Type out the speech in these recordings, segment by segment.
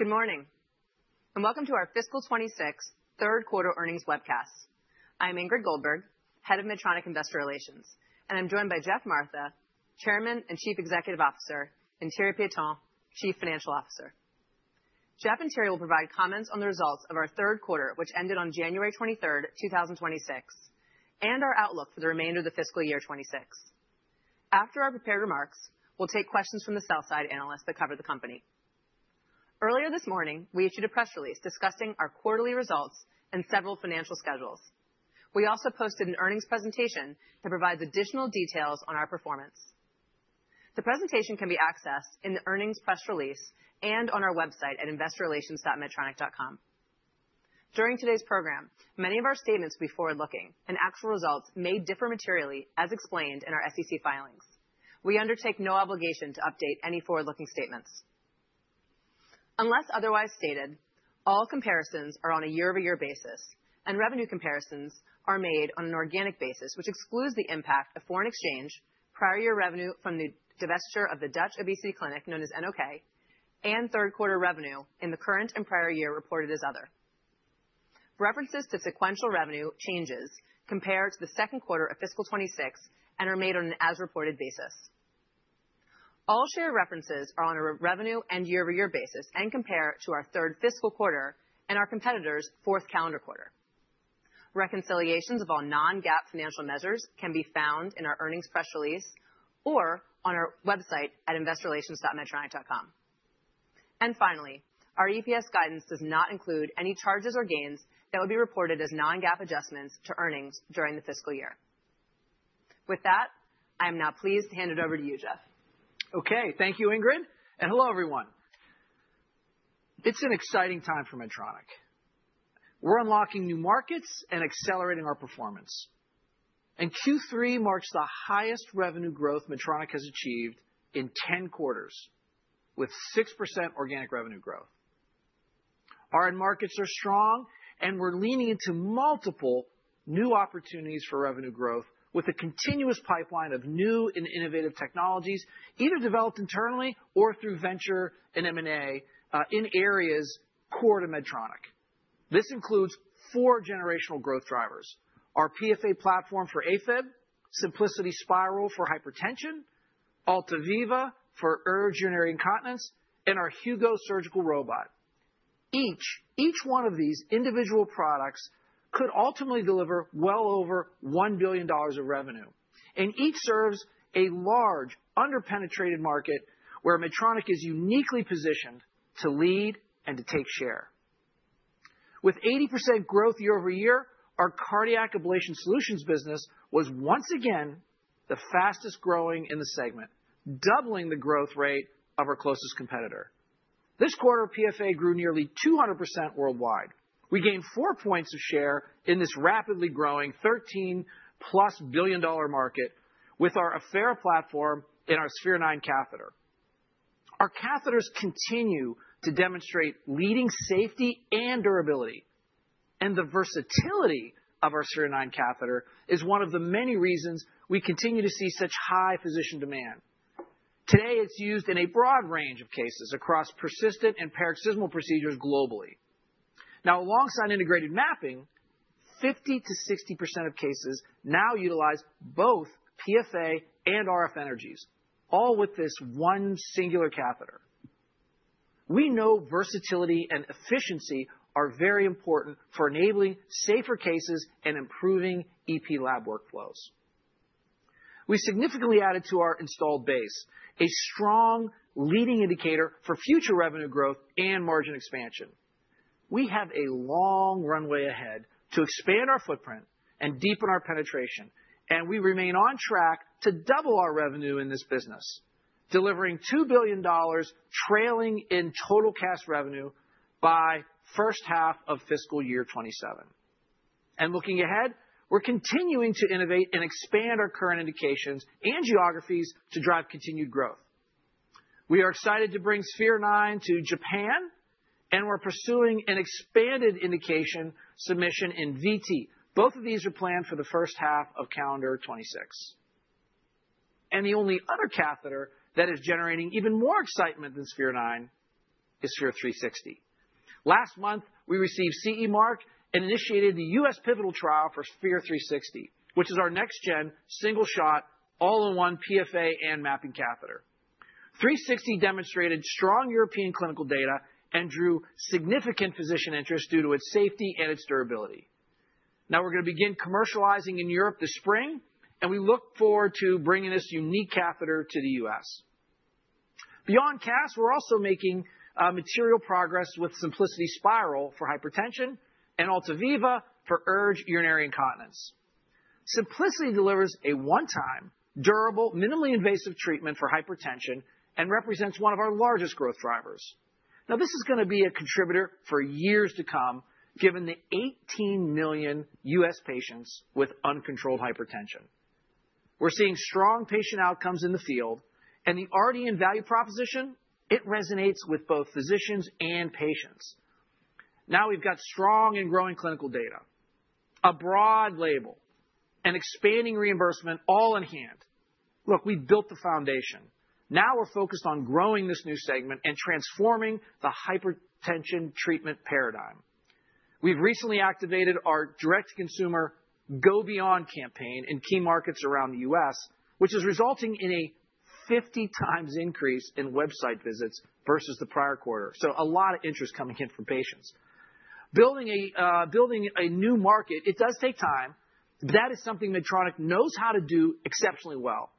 Good morning, and welcome to our fiscal 2026 Q3 earnings webcast. I'm Ingrid Goldberg, head of Medtronic Investor Relations, and I'm joined by Geoff Martha, chairman and Chief Executive Officer, and Thierry Piéton, Chief Financial Officer. Geoff and Thierry will provide comments on the results of our Q3, which ended on January 23, 2026, and our outlook for the remainder of the fiscal year 2026. After our prepared remarks, we'll take questions from the sell side analysts that cover the company. Earlier this morning, we issued a press release discussing our quarterly results and several financial schedules. We also posted an earnings presentation that provides additional details on our performance. The presentation can be accessed in the earnings press release and on our website at investorrelations.medtronic.com. During today's program, many of our statements will be forward-looking, and actual results may differ materially, as explained in our SEC filings. We undertake no obligation to update any forward-looking statements. Unless otherwise stated, all comparisons are on a year-over-year basis, and revenue comparisons are made on an organic basis, which excludes the impact of foreign exchange, prior year revenue from the divestiture of the Dutch obesity clinic known as NOK, and Q3 revenue in the current and prior year reported as other. References to sequential revenue changes compare to the Q2 of fiscal 2026 and are made on an as-reported basis. All share references are on a reported revenue and year-over-year basis and compare to our third fiscal quarter and our competitors' fourth calendar quarter. Reconciliations of all non-GAAP financial measures can be found in our earnings press release or on our website at investorrelations.medtronic.com. Finally, our EPS guidance does not include any charges or gains that will be reported as non-GAAP adjustments to earnings during the fiscal year. With that, I'm now pleased to hand it over to you, Geoff. Okay. Thank you, Ingrid, and hello, everyone. It's an exciting time for Medtronic. We're unlocking new markets and accelerating our performance. Q3 marks the highest revenue growth Medtronic has achieved in 10 quarters, with 6% organic revenue growth. Our end markets are strong, and we're leaning into multiple new opportunities for revenue growth with a continuous pipeline of new and innovative technologies, either developed internally or through venture and M&A, in areas core to Medtronic. This includes 4 generational growth drivers: our PFA platform for AFib, Symplicity Spyral for hypertension, Altaviva for urge urinary incontinence, and our Hugo surgical robot. Each, each one of these individual products could ultimately deliver well over $1 billion of revenue, and each serves a large, under-penetrated market, where Medtronic is uniquely positioned to lead and to take share. With 80% growth year-over-year, our cardiac ablation solutions business was once again the fastest-growing in the segment, doubling the growth rate of our closest competitor. This quarter, PFA grew nearly 200% worldwide. We gained four points of share in this rapidly growing $13+ billion market with our Affera platform and our Sphere-9 catheter. Our catheters continue to demonstrate leading safety and durability, and the versatility of our Sphere-9 catheter is one of the many reasons we continue to see such high physician demand. Today, it's used in a broad range of cases across persistent and paroxysmal procedures globally. Now, alongside integrated mapping, 50%-60% of cases now utilize both PFA and RF energies, all with this one singular catheter. We know versatility and efficiency are very important for enabling safer cases and improving EP lab workflows. We significantly added to our installed base, a strong leading indicator for future revenue growth and margin expansion. We have a long runway ahead to expand our footprint and deepen our penetration, and we remain on track to double our revenue in this business, delivering $2 billion trailing in total CAS revenue by H1 of fiscal year 2027. Looking ahead, we're continuing to innovate and expand our current indications and geographies to drive continued growth. We are excited to bring Sphere-9 to Japan, and we're pursuing an expanded indication submission in VT. Both of these are planned for the H1 of calendar 2026. The only other catheter that is generating even more excitement than Sphere-9 is Sphere-360. Last month, we received CE Mark and initiated the U.S. pivotal trial for Sphere-360, which is our next-gen, single-shot, all-in-one PFA and mapping catheter. Sphere-360 demonstrated strong European clinical data and drew significant physician interest due to its safety and its durability. Now we're going to begin commercializing in Europe this spring, and we look forward to bringing this unique catheter to the US. Beyond CAS, we're also making material progress with Symplicity Spyral for hypertension and Altaviva for urge urinary incontinence. Symplicity delivers a one-time, durable, minimally invasive treatment for hypertension and represents one of our largest growth drivers. Now, this is gonna be a contributor for years to come, given the 18 million US patients with uncontrolled hypertension. We're seeing strong patient outcomes in the field and the R&D and value proposition, it resonates with both physicians and patients. Now we've got strong and growing clinical data, a broad label, and expanding reimbursement all in hand. Look, we built the foundation. Now we're focused on growing this new segment and transforming the hypertension treatment paradigm. We've recently activated our direct-to-consumer Go Beyond campaign in key markets around the U.S., which is resulting in a 50 times increase in website visits versus the prior quarter. So a lot of interest coming in from patients. Building a new market, it does take time. That is something Medtronic knows how to do exceptionally well.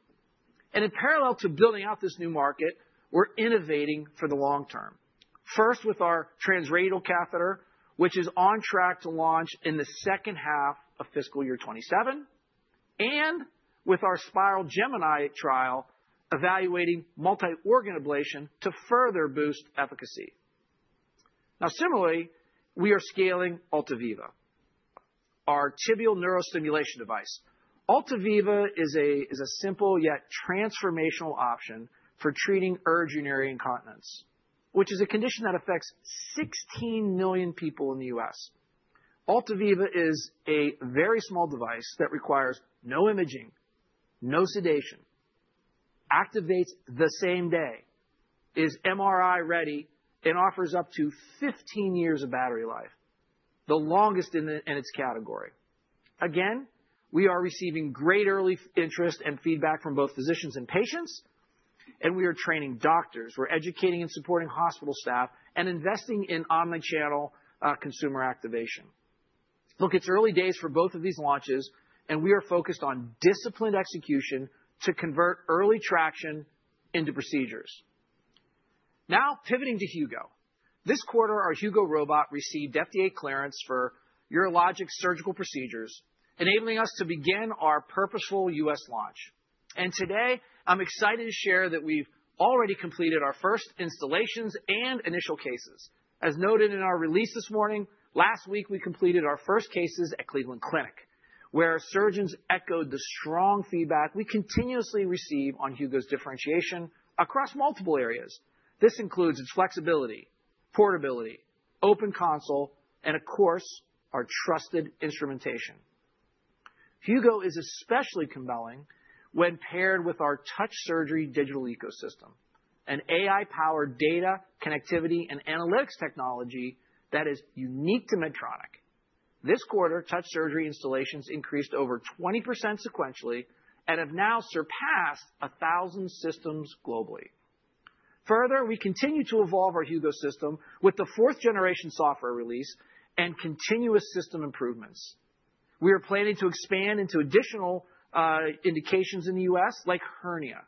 And in parallel to building out this new market, we're innovating for the long term. First, with our transradial catheter, which is on track to launch in the H2 of fiscal year 2027, and with our Spyral Gemini trial, evaluating multi-organ ablation to further boost efficacy. Now, similarly, we are scaling Altaviva, our tibial neurostimulation device. Altaviva is a simple, yet transformational option for treating urge urinary incontinence, which is a condition that affects 16 million people in the U.S. Altaviva is a very small device that requires no imaging, no sedation, activates the same day, is MRI ready, and offers up to 15 years of battery life, the longest in its category. Again, we are receiving great early interest and feedback from both physicians and patients, and we are training doctors. We're educating and supporting hospital staff and investing in omni-channel consumer activation. Look, it's early days for both of these launches, and we are focused on disciplined execution to convert early traction into procedures. Now pivoting to Hugo. This quarter, our Hugo robot received FDA clearance for urologic surgical procedures, enabling us to begin our purposeful U.S. launch. Today, I'm excited to share that we've already completed our first installations and initial cases. As noted in our release this morning, last week, we completed our first cases at Cleveland Clinic, where surgeons echoed the strong feedback we continuously receive on Hugo's differentiation across multiple areas. This includes its flexibility, portability, open console, and of course, our trusted instrumentation. Hugo is especially compelling when paired with our Touch Surgery digital ecosystem, an AI-powered data, connectivity, and analytics technology that is unique to Medtronic. This quarter, Touch Surgery installations increased over 20% sequentially and have now surpassed 1,000 systems globally. Further, we continue to evolve our Hugo system with the fourth generation software release and continuous system improvements. We are planning to expand into additional indications in the U.S., like hernia,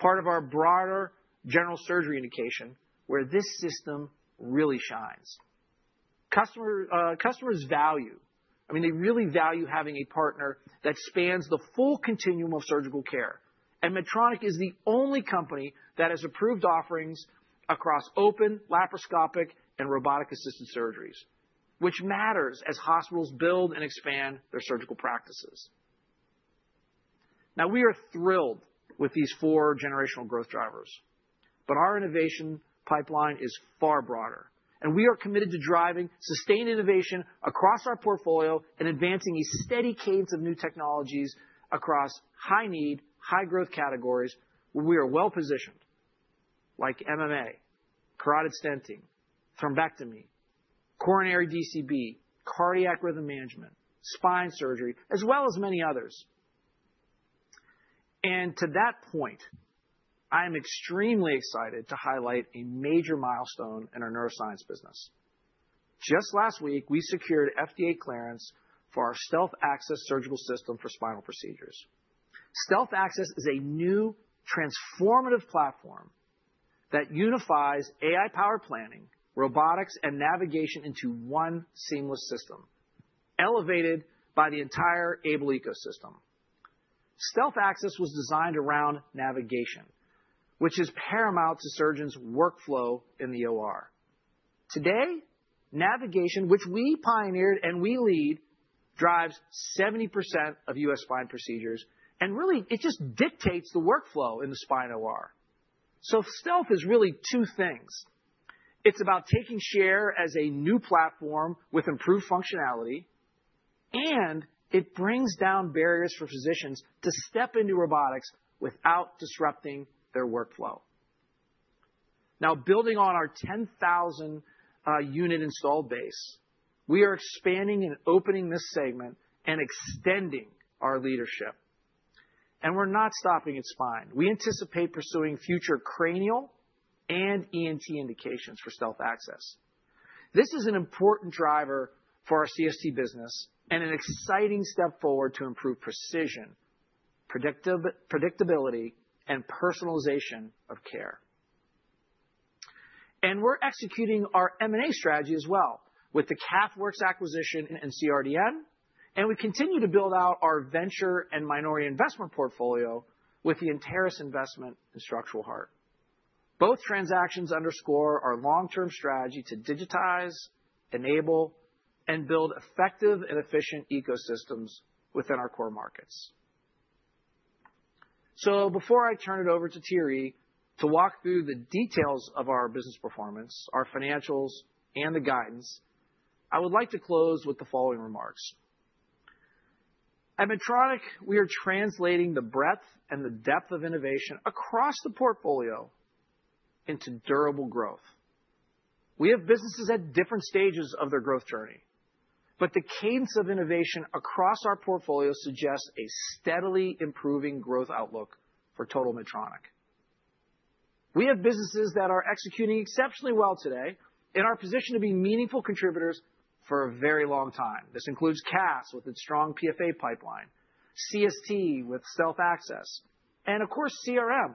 part of our broader general surgery indication, where this system really shines. Customers value... I mean, they really value having a partner that spans the full continuum of surgical care. And Medtronic is the only company that has approved offerings across open, laparoscopic, and robotic-assisted surgeries, which matters as hospitals build and expand their surgical practices. Now, we are thrilled with these four generational growth drivers, but our innovation pipeline is far broader, and we are committed to driving sustained innovation across our portfolio and advancing a steady cadence of new technologies across high need, high growth categories, where we are well positioned, like MMA, Carotid Stenting, Thrombectomy, Coronary DCB, Cardiac Rhythm Management, Spine Surgery, as well as many others. And to that point, I am extremely excited to highlight a major milestone in our neuroscience business. Just last week, we secured FDA clearance for our Stealth Axis surgical system for spinal procedures. Stealth Axis is a new transformative platform that unifies AI-powered planning, robotics, and navigation into one seamless system, elevated by the entire AiBLE ecosystem. Stealth Axis was designed around navigation, which is paramount to surgeons' workflow in the OR. Today, navigation, which we pioneered and we lead, drives 70% of U.S. spine procedures, and really, it just dictates the workflow in the spine OR. So Stealth Axis is really two things. It's about taking share as a new platform with improved functionality, and it brings down barriers for physicians to step into robotics without disrupting their workflow. Now, building on our 10,000 unit install base, we are expanding and opening this segment and extending our leadership, and we're not stopping at spine. We anticipate pursuing future cranial and ENT indications for Stealth Axis. This is an important driver for our CST business and an exciting step forward to improve precision, predictability, and personalization of care. We're executing our M&A strategy as well with the CathWorks acquisition and CRDN, and we continue to build out our venture and minority investment portfolio with the Anteris investment in Structural Heart. Both transactions underscore our long-term strategy to digitize, enable, and build effective and efficient ecosystems within our core markets. Before I turn it over to Thierry to walk through the details of our business performance, our financials, and the guidance, I would like to close with the following remarks: At Medtronic, we are translating the breadth and the depth of innovation across the portfolio into durable growth. We have businesses at different stages of their growth journey, but the cadence of innovation across our portfolio suggests a steadily improving growth outlook for total Medtronic. We have businesses that are executing exceptionally well today and are positioned to be meaningful contributors for a very long time. This includes CAS, with its strong PFA pipeline, CST with Stealth Axis, and of course, CRM,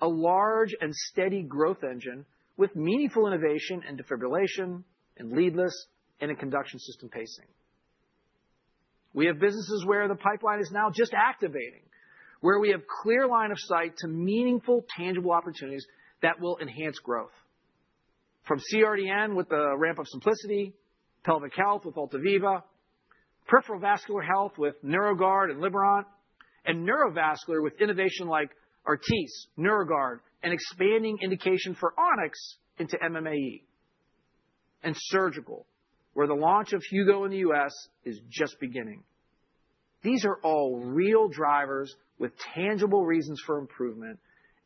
a large and steady growth engine with meaningful innovation in defibrillators, and leadless, and in conduction system pacing. We have businesses where the pipeline is now just activating, where we have clear line of sight to meaningful, tangible opportunities that will enhance growth. From CRDN with the ramp of Symplicity, Pelvic Health with Altaviva, Peripheral Vascular Health with Neuroguard and Liberant, and Neurovascular with innovation like Artiss, Neuroguard, and expanding indication for Onyx into MMAE. And surgical, where the launch of Hugo in the U.S. is just beginning. These are all real drivers with tangible reasons for improvement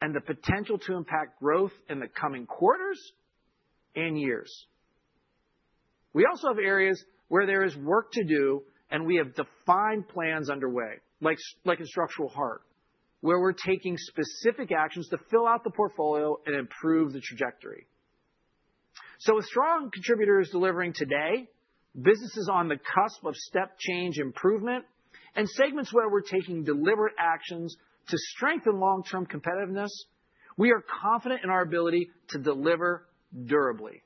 and the potential to impact growth in the coming quarters and years. We also have areas where there is work to do, and we have defined plans underway, like in structural heart, where we're taking specific actions to fill out the portfolio and improve the trajectory. So with strong contributors delivering today, businesses on the cusp of step change improvement, and segments where we're taking deliberate actions to strengthen long-term competitiveness, we are confident in our ability to deliver durably.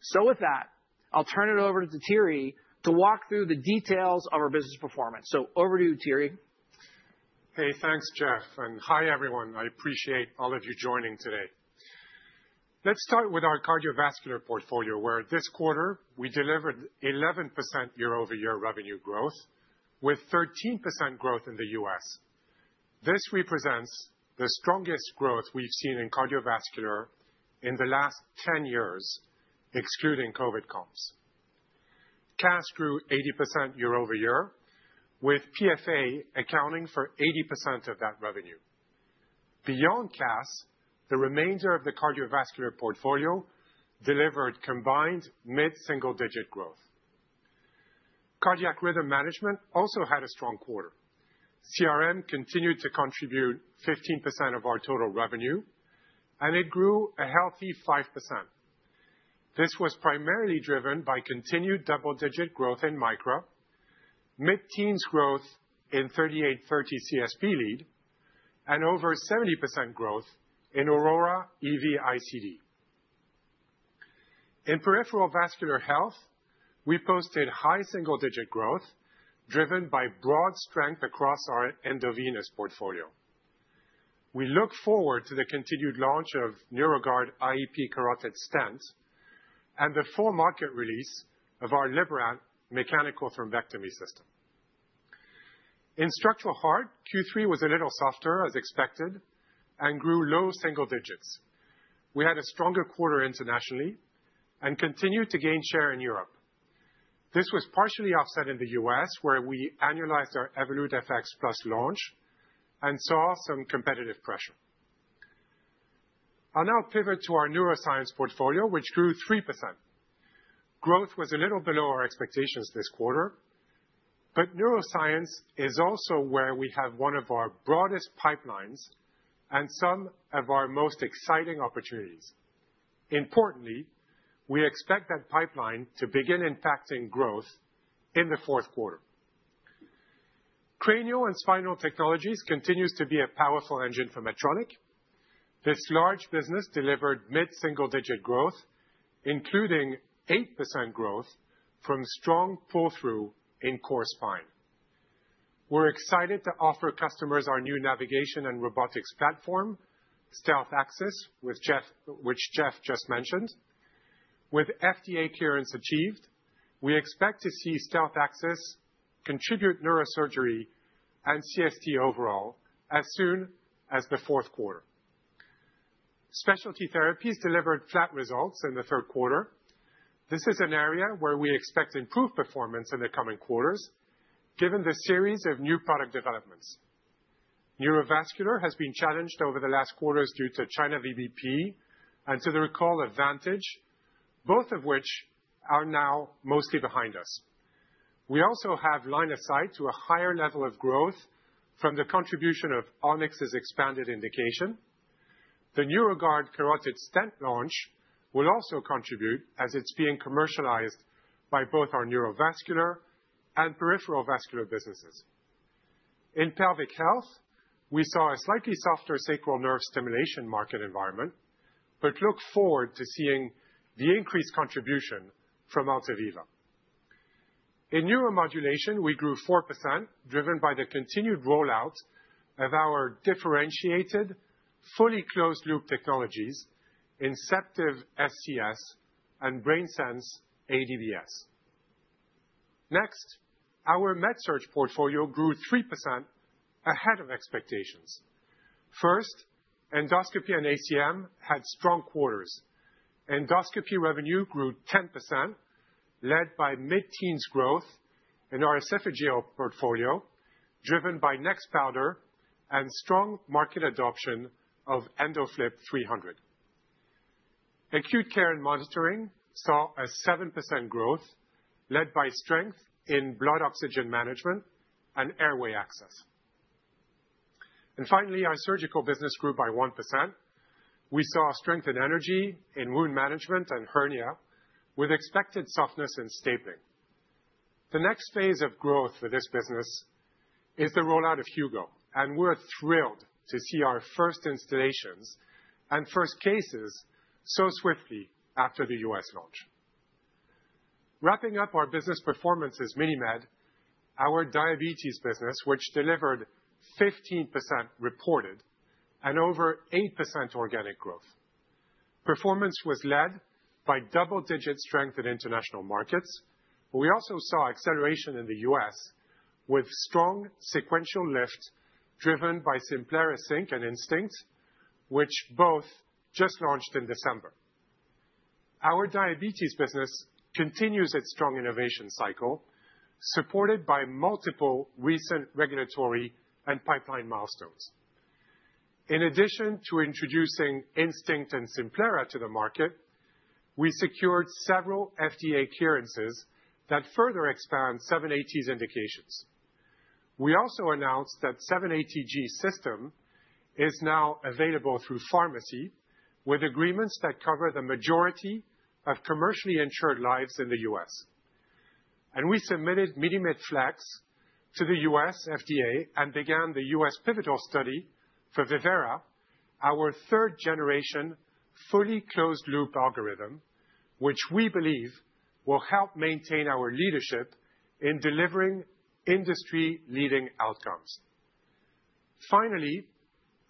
So with that, I'll turn it over to Thierry to walk through the details of our business performance. So over to you, Thierry. Hey, thanks, Geoff, and hi, everyone. I appreciate all of you joining today. Let's start with our cardiovascular portfolio, where this quarter we delivered 11% year-over-year revenue growth with 13% growth in the U.S. This represents the strongest growth we've seen in cardiovascular in the last 10 years, excluding COVID comps. CAS grew 80% year-over-year, with PFA accounting for 80% of that revenue. Beyond CAS, the remainder of the cardiovascular portfolio delivered combined mid-single-digit growth. Cardiac rhythm management also had a strong quarter. CRM continued to contribute 15% of our total revenue, and it grew a healthy 5%. This was primarily driven by continued double-digit growth in Micra, mid-teens growth in 3830 CSP Lead, and over 70% growth in Aurora EV-ICD. In peripheral vascular health, we posted high single-digit growth, driven by broad strength across our endovenous portfolio. We look forward to the continued launch of NeuroGuard IEP carotid stents and the full market release of our Liberant mechanical thrombectomy system. In structural heart, Q3 was a little softer, as expected, and grew low single digits. We had a stronger quarter internationally and continued to gain share in Europe. This was partially offset in the U.S., where we annualized our Evolut FX+ launch and saw some competitive pressure. I'll now pivot to our neuroscience portfolio, which grew 3%. Growth was a little below our expectations this quarter, but neuroscience is also where we have one of our broadest pipelines and some of our most exciting opportunities. Importantly, we expect that pipeline to begin impacting growth in the Q4. Cranial and spinal technologies continues to be a powerful engine for Medtronic. This large business delivered mid-single-digit growth, including 8% growth from strong pull-through in core spine. We're excited to offer customers our new navigation and robotics platform, Stealth Axis, with Geoff, which Goeff just mentioned. With FDA clearance achieved, we expect to see Stealth Axis contribute neurosurgery and CST overall as soon as the Q4. Specialty therapies delivered flat results in the Q3. This is an area where we expect improved performance in the coming quarters, given the series of new product developments. Neurovascular has been challenged over the last quarters due to China VBP and to the Recall Advantage, both of which are now mostly behind us. We also have line of sight to a higher level of growth from the contribution of On-X's expanded indication. The NeuroGuard carotid stent launch will also contribute as it's being commercialized by both our neurovascular and peripheral vascular businesses. In pelvic health, we saw a slightly softer sacral nerve stimulation market environment, but look forward to seeing the increased contribution from Altaviva. In neuromodulation, we grew 4%, driven by the continued rollout of our differentiated, fully closed-loop technologies, Inceptiv SCS and BrainSense aDBS. Next, our MedSurg portfolio grew 3% ahead of expectations. First, endoscopy and ACM had strong quarters. Endoscopy revenue grew 10%, led by mid-teens growth in our esophageal portfolio, driven by Nexpowder and strong market adoption of EndoFLIP 300. Acute care and monitoring saw a 7% growth, led by strength in blood oxygen management and airway access. And finally, our surgical business grew by 1%. We saw strength and energy in wound management and hernia, with expected softness and stapling. The next phase of growth for this business is the rollout of Hugo, and we're thrilled to see our first installations and first cases so swiftly after the U.S. launch. Wrapping up our business performance is MiniMed, our diabetes business, which delivered 15% reported and over 8% organic growth. Performance was led by double-digit strength in international markets. We also saw acceleration in the U.S., with strong sequential lift, driven by Simplera Sync and Instinct, which both just launched in December. Our diabetes business continues its strong innovation cycle, supported by multiple recent regulatory and pipeline milestones. In addition to introducing Instinct and Simplera to the market, we secured several FDA clearances that further expand the 780G's indications. We also announced that the 780G system is now available through pharmacy, with agreements that cover the majority of commercially insured lives in the U.S. We submitted MiniMed Fit to the U.S. FDA and began the U.S. pivotal study for Vivera, our third generation, fully closed loop algorithm, which we believe will help maintain our leadership in delivering industry-leading outcomes. Finally,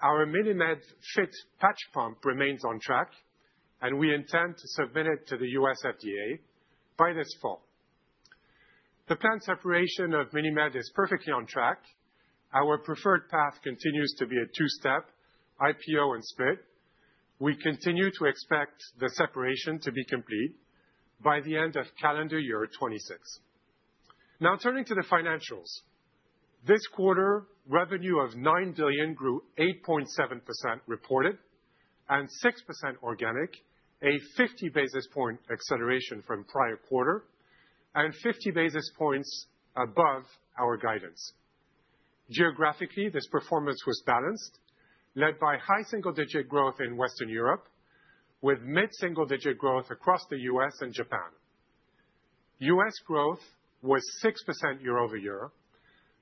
our MiniMed fit patch pump remains on track, and we intend to submit it to the U.S. FDA by this fall. The planned separation of MiniMed is perfectly on track. Our preferred path continues to be a two-step IPO and split. We continue to expect the separation to be complete by the end of calendar year 2026. Now, turning to the financials. This quarter, revenue of $9 billion grew 8.7% reported and 6% organic, a 50 basis point acceleration from prior quarter and 50 basis points above our guidance. Geographically, this performance was balanced, led by high single-digit growth in Western Europe, with mid-single digit growth across the U.S. and Japan. U.S. growth was 6% year-over-year,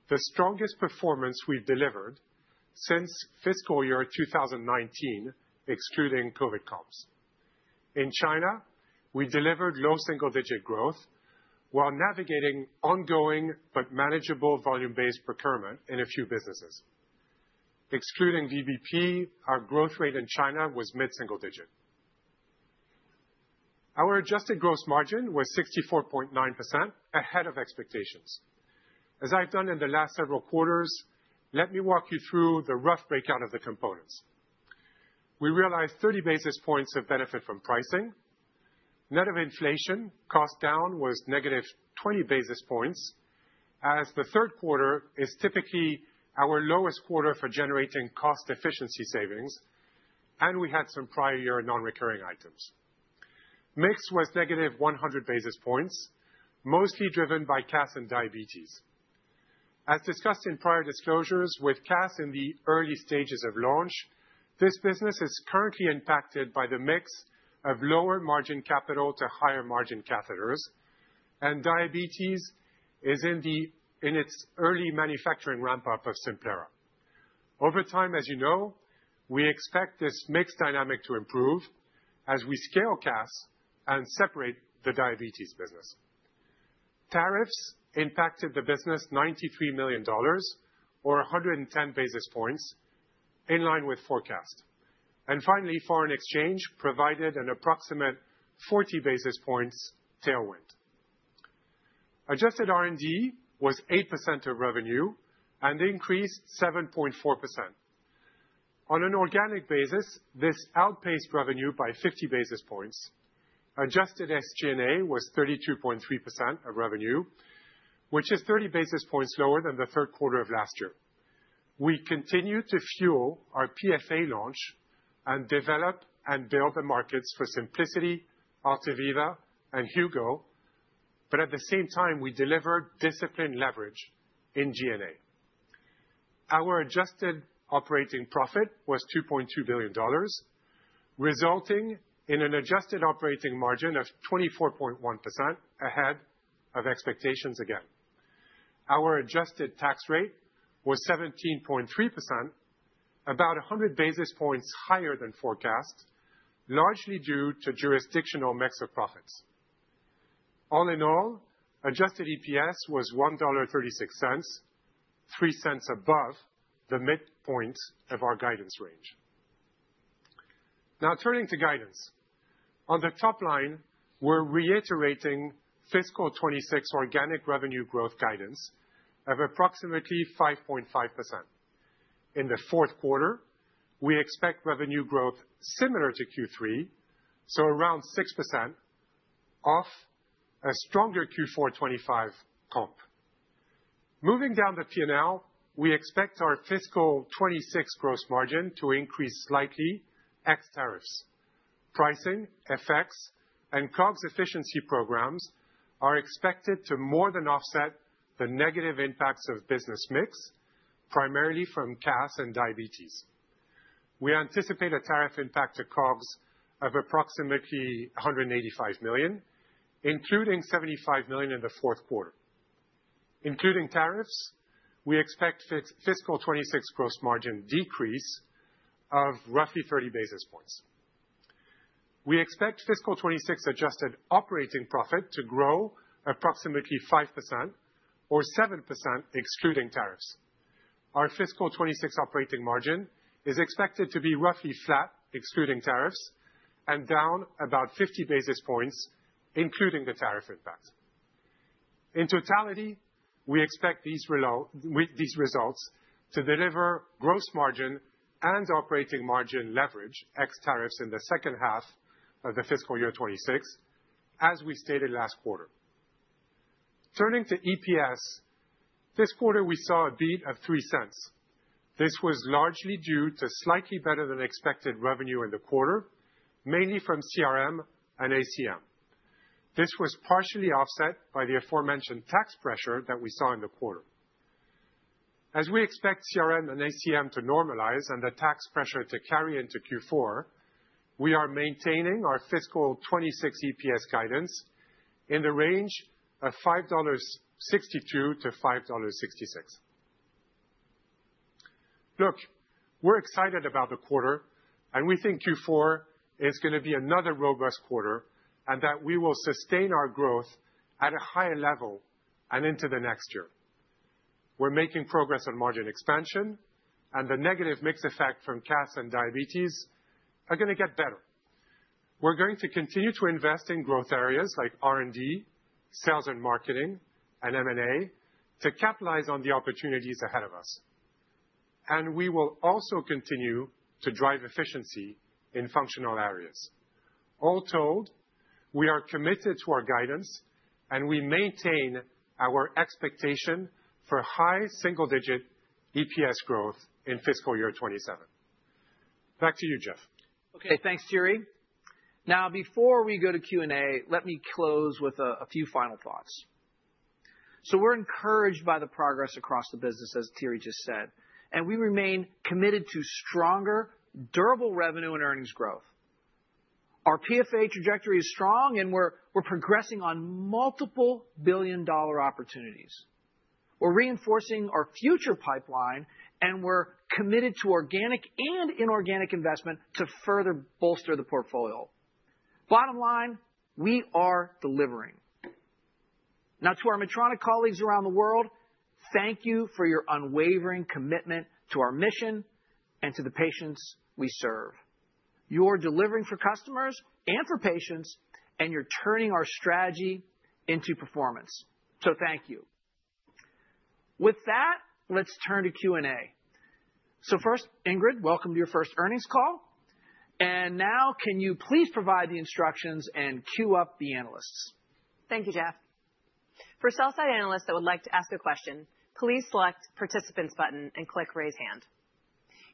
the strongest performance we've delivered since fiscal year 2019, excluding COVID comps. In China, we delivered low single-digit growth while navigating ongoing but manageable volume-based procurement in a few businesses. Excluding VBP, our growth rate in China was mid-single digit. Our adjusted gross margin was 64.9% ahead of expectations. As I've done in the last several quarters, let me walk you through the rough breakout of the components. We realized 30 basis points of benefit from pricing. Net of inflation, cost down was negative 20 basis points, as the Q3 is typically our lowest quarter for generating cost efficiency savings, and we had some prior year non-recurring items. Mix was negative 100 basis points, mostly driven by CAS and diabetes. As discussed in prior disclosures, with CAS in the early stages of launch, this business is currently impacted by the mix of lower margin capital to higher margin catheters, and diabetes is in its early manufacturing ramp-up of Simplera. Over time, as you know, we expect this mix dynamic to improve as we scale CAS and separate the diabetes business. Tariffs impacted the business $93 million, or 110 basis points, in line with forecast. And finally, foreign exchange provided an approximate 40 basis points tailwind. Adjusted R&D was 8% of revenue and increased 7.4%. On an organic basis, this outpaced revenue by 50 basis points. Adjusted SG&A was 32.3% of revenue, which is 30 basis points lower than the Q3 of last year. We continue to fuel our PFA launch and develop and build the markets for Symplicity, Altaviva, and Hugo, but at the same time, we delivered disciplined leverage in G&A. Our adjusted operating profit was $2.2 billion, resulting in an adjusted operating margin of 24.1%, ahead of expectations again. Our adjusted tax rate was 17.3%, about 100 basis points higher than forecast, largely due to jurisdictional mix of profits. All in all, adjusted EPS was $1.36, 3 cents above the midpoint of our guidance range. Now turning to guidance. On the top line, we're reiterating fiscal 2026 organic revenue growth guidance of approximately 5.5%. In the Q4, we expect revenue growth similar to Q3, so around 6% off a stronger Q4 2025 comp. Moving down the P&L, we expect our fiscal 2026 gross margin to increase slightly ex tariffs. Pricing, effects, and COGS efficiency programs are expected to more than offset the negative impacts of business mix, primarily from CAS and diabetes. We anticipate a tariff impact to COGS of approximately $185 million, including $75 million in the Q4. Including tariffs, we expect fiscal 2026 gross margin decrease of roughly 30 basis points. We expect fiscal 2026 adjusted operating profit to grow approximately 5% or 7% excluding tariffs. Our fiscal 2026 operating margin is expected to be roughly flat, excluding tariffs, and down about 50 basis points, including the tariff impact. In totality, we expect these results to deliver gross margin and operating margin leverage ex tariffs in the H2 of fiscal year 2026, as we stated last quarter. Turning to EPS, this quarter, we saw a beat of $0.03. This was largely due to slightly better than expected revenue in the quarter, mainly from CRM and ACM. This was partially offset by the aforementioned tax pressure that we saw in the quarter. As we expect CRM and ACM to normalize and the tax pressure to carry into Q4, we are maintaining our fiscal 2026 EPS guidance in the range of $5.62-$5.66. Look, we're excited about the quarter, and we think Q4 is gonna be another robust quarter, and that we will sustain our growth at a higher level and into the next year. We're making progress on margin expansion, and the negative mix effect from CAS and diabetes are gonna get better. We're going to continue to invest in growth areas like R&D, sales and marketing, and M&A to capitalize on the opportunities ahead of us. We will also continue to drive efficiency in functional areas. All told, we are committed to our guidance, and we maintain our expectation for high single-digit EPS growth in fiscal year 2027. Back to you, Jeoff. Okay, thanks, Thierry. Now, before we go to Q&A, let me close with a, a few final thoughts. So we're encouraged by the progress across the business, as Thierry just said, and we remain committed to stronger, durable revenue and earnings growth. Our PFA trajectory is strong, and we're, we're progressing on multiple billion-dollar opportunities. We're reinforcing our future pipeline, and we're committed to organic and inorganic investment to further bolster the portfolio. Bottom line, we are delivering. Now, to our Medtronic colleagues around the world, thank you for your unwavering commitment to our mission and to the patients we serve. You're delivering for customers and for patients, and you're turning our strategy into performance. So thank you. With that, let's turn to Q&A. So first, Ingrid, welcome to your first earnings call, and now can you please provide the instructions and queue up the analysts? Thank you, Geoff. For sell-side analysts that would like to ask a question, please select Participants button and click Raise Hand.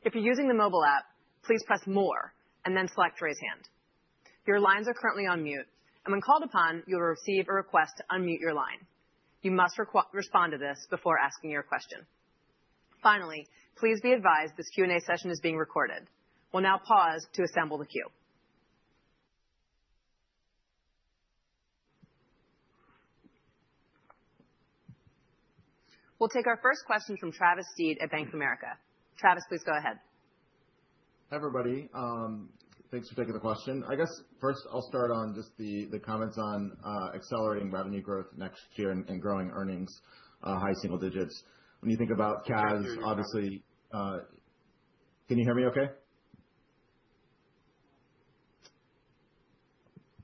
If you're using the mobile app, please press More and then select Raise Hand. Your lines are currently on mute. When called upon, you'll receive a request to unmute your line. You must respond to this before asking your question. Finally, please be advised, this Q&A session is being recorded. We'll now pause to assemble the queue. We'll take our first question from TAVR Steed at Bank of America. TAVR, please go ahead. Hi, everybody, thanks for taking the question. I guess first I'll start on just the comments on accelerating revenue growth next year and growing earnings high single digits. When you think about CAS, obviously... Can you hear me okay?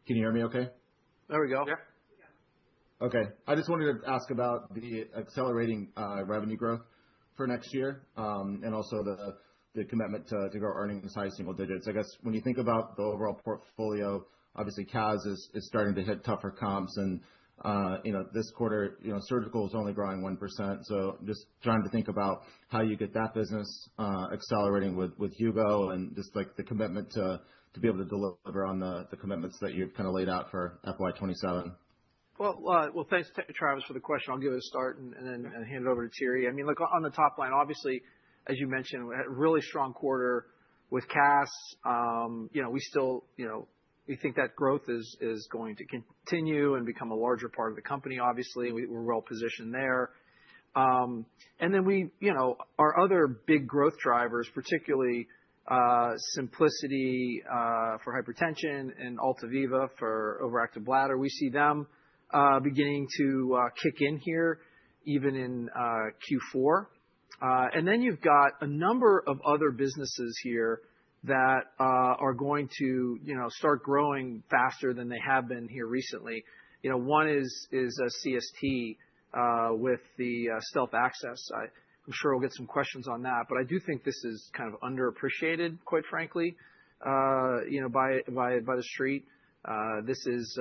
Can you hear me okay? There we go. Yeah. Yeah. Okay. I just wanted to ask about the accelerating revenue growth for next year, and also the commitment to grow earnings high single digits. I guess when you think about the overall portfolio, obviously, CAS is starting to hit tougher comps and, you know, this quarter, you know, surgical is only growing 1%, so just trying to think about how you get that business accelerating with Hugo and just, like, the commitment to be able to deliver on the commitments that you've kind of laid out for FY 2027. Well, well, thanks, Travis, for the question. I'll give it a start and then, and hand it over to Thierry. I mean, look, on the top line, obviously, as you mentioned, we had a really strong quarter with CAS. You know, we still, you know, we think that growth is, is going to continue and become a larger part of the company. Obviously, we're well positioned there. And then we, you know, our other big growth drivers, particularly, Symplicity, for hypertension and Altaviva for overactive bladder, we see them, beginning to, kick in here, even in, Q4. And then you've got a number of other businesses here that, are going to, you know, start growing faster than they have been here recently. You know, one is, CST, with the, Stealth AXiS. I'm sure we'll get some questions on that, but I do think this is kind of underappreciated, quite frankly, you know, by the street. This is,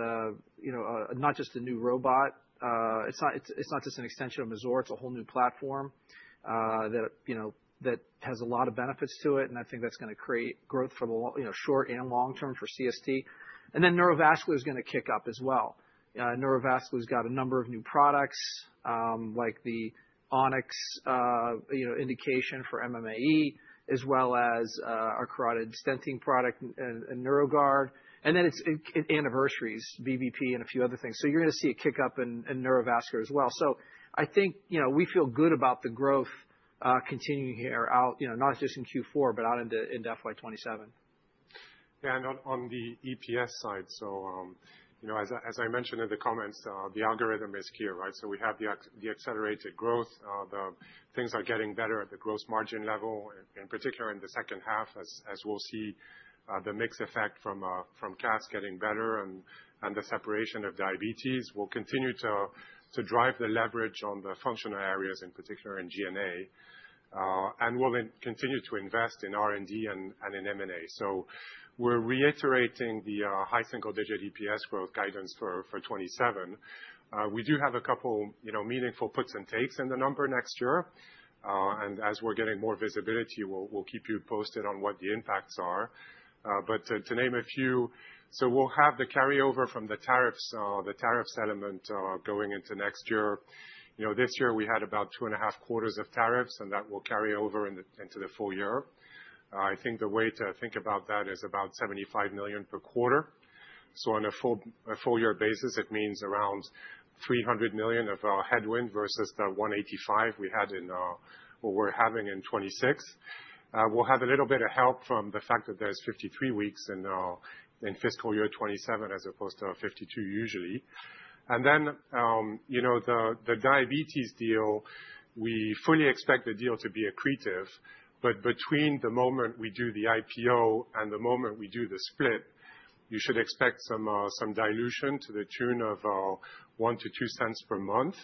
you know, not just a new robot, it's not just an extension of Mazor, it's a whole new platform that has a lot of benefits to it, and I think that's gonna create growth from a short and long term for CST. Neurovascular is gonna kick up as well. Neurovascular's got a number of new products, like the On-X indication for MMAE, as well as our carotid stenting product and NeuroGuard, and then its anniversaries, VBP and a few other things. You're gonna see a kick up in Neurovascular as well. So I think, you know, we feel good about the growth, continuing here out, you know, not just in Q4, but out into, in FY 2027. Yeah, and on the EPS side. So, you know, as I mentioned in the comments, the algorithm is clear, right? So we have the accelerated growth, the things are getting better at the growth margin level, in particular in the H2, as we'll see, the mix effect from CAS getting better and the separation of diabetes will continue to drive the leverage on the functional areas, in particular in GNA. And we'll then continue to invest in R&D and in M&A. So we're reiterating the high single digit EPS growth guidance for 2027. We do have a couple, you know, meaningful puts and takes in the number next year. And as we're getting more visibility, we'll keep you posted on what the impacts are. But to name a few, so we'll have the carryover from the tariffs, the tariff settlement, going into next year. You know, this year we had about 2.5 quarters of tariffs, and that will carry over into the full year. I think the way to think about that is about $75 million per quarter. So on a full year basis, it means around $300 million of headwind versus the $185 we had in what we're having in 2026. We'll have a little bit of help from the fact that there's 53 weeks in fiscal year 2027, as opposed to 52 usually. Then, you know, the diabetes deal, we fully expect the deal to be accretive, but between the moment we do the IPO and the moment we do the split, you should expect some dilution to the tune of $0.01-$0.02 per month.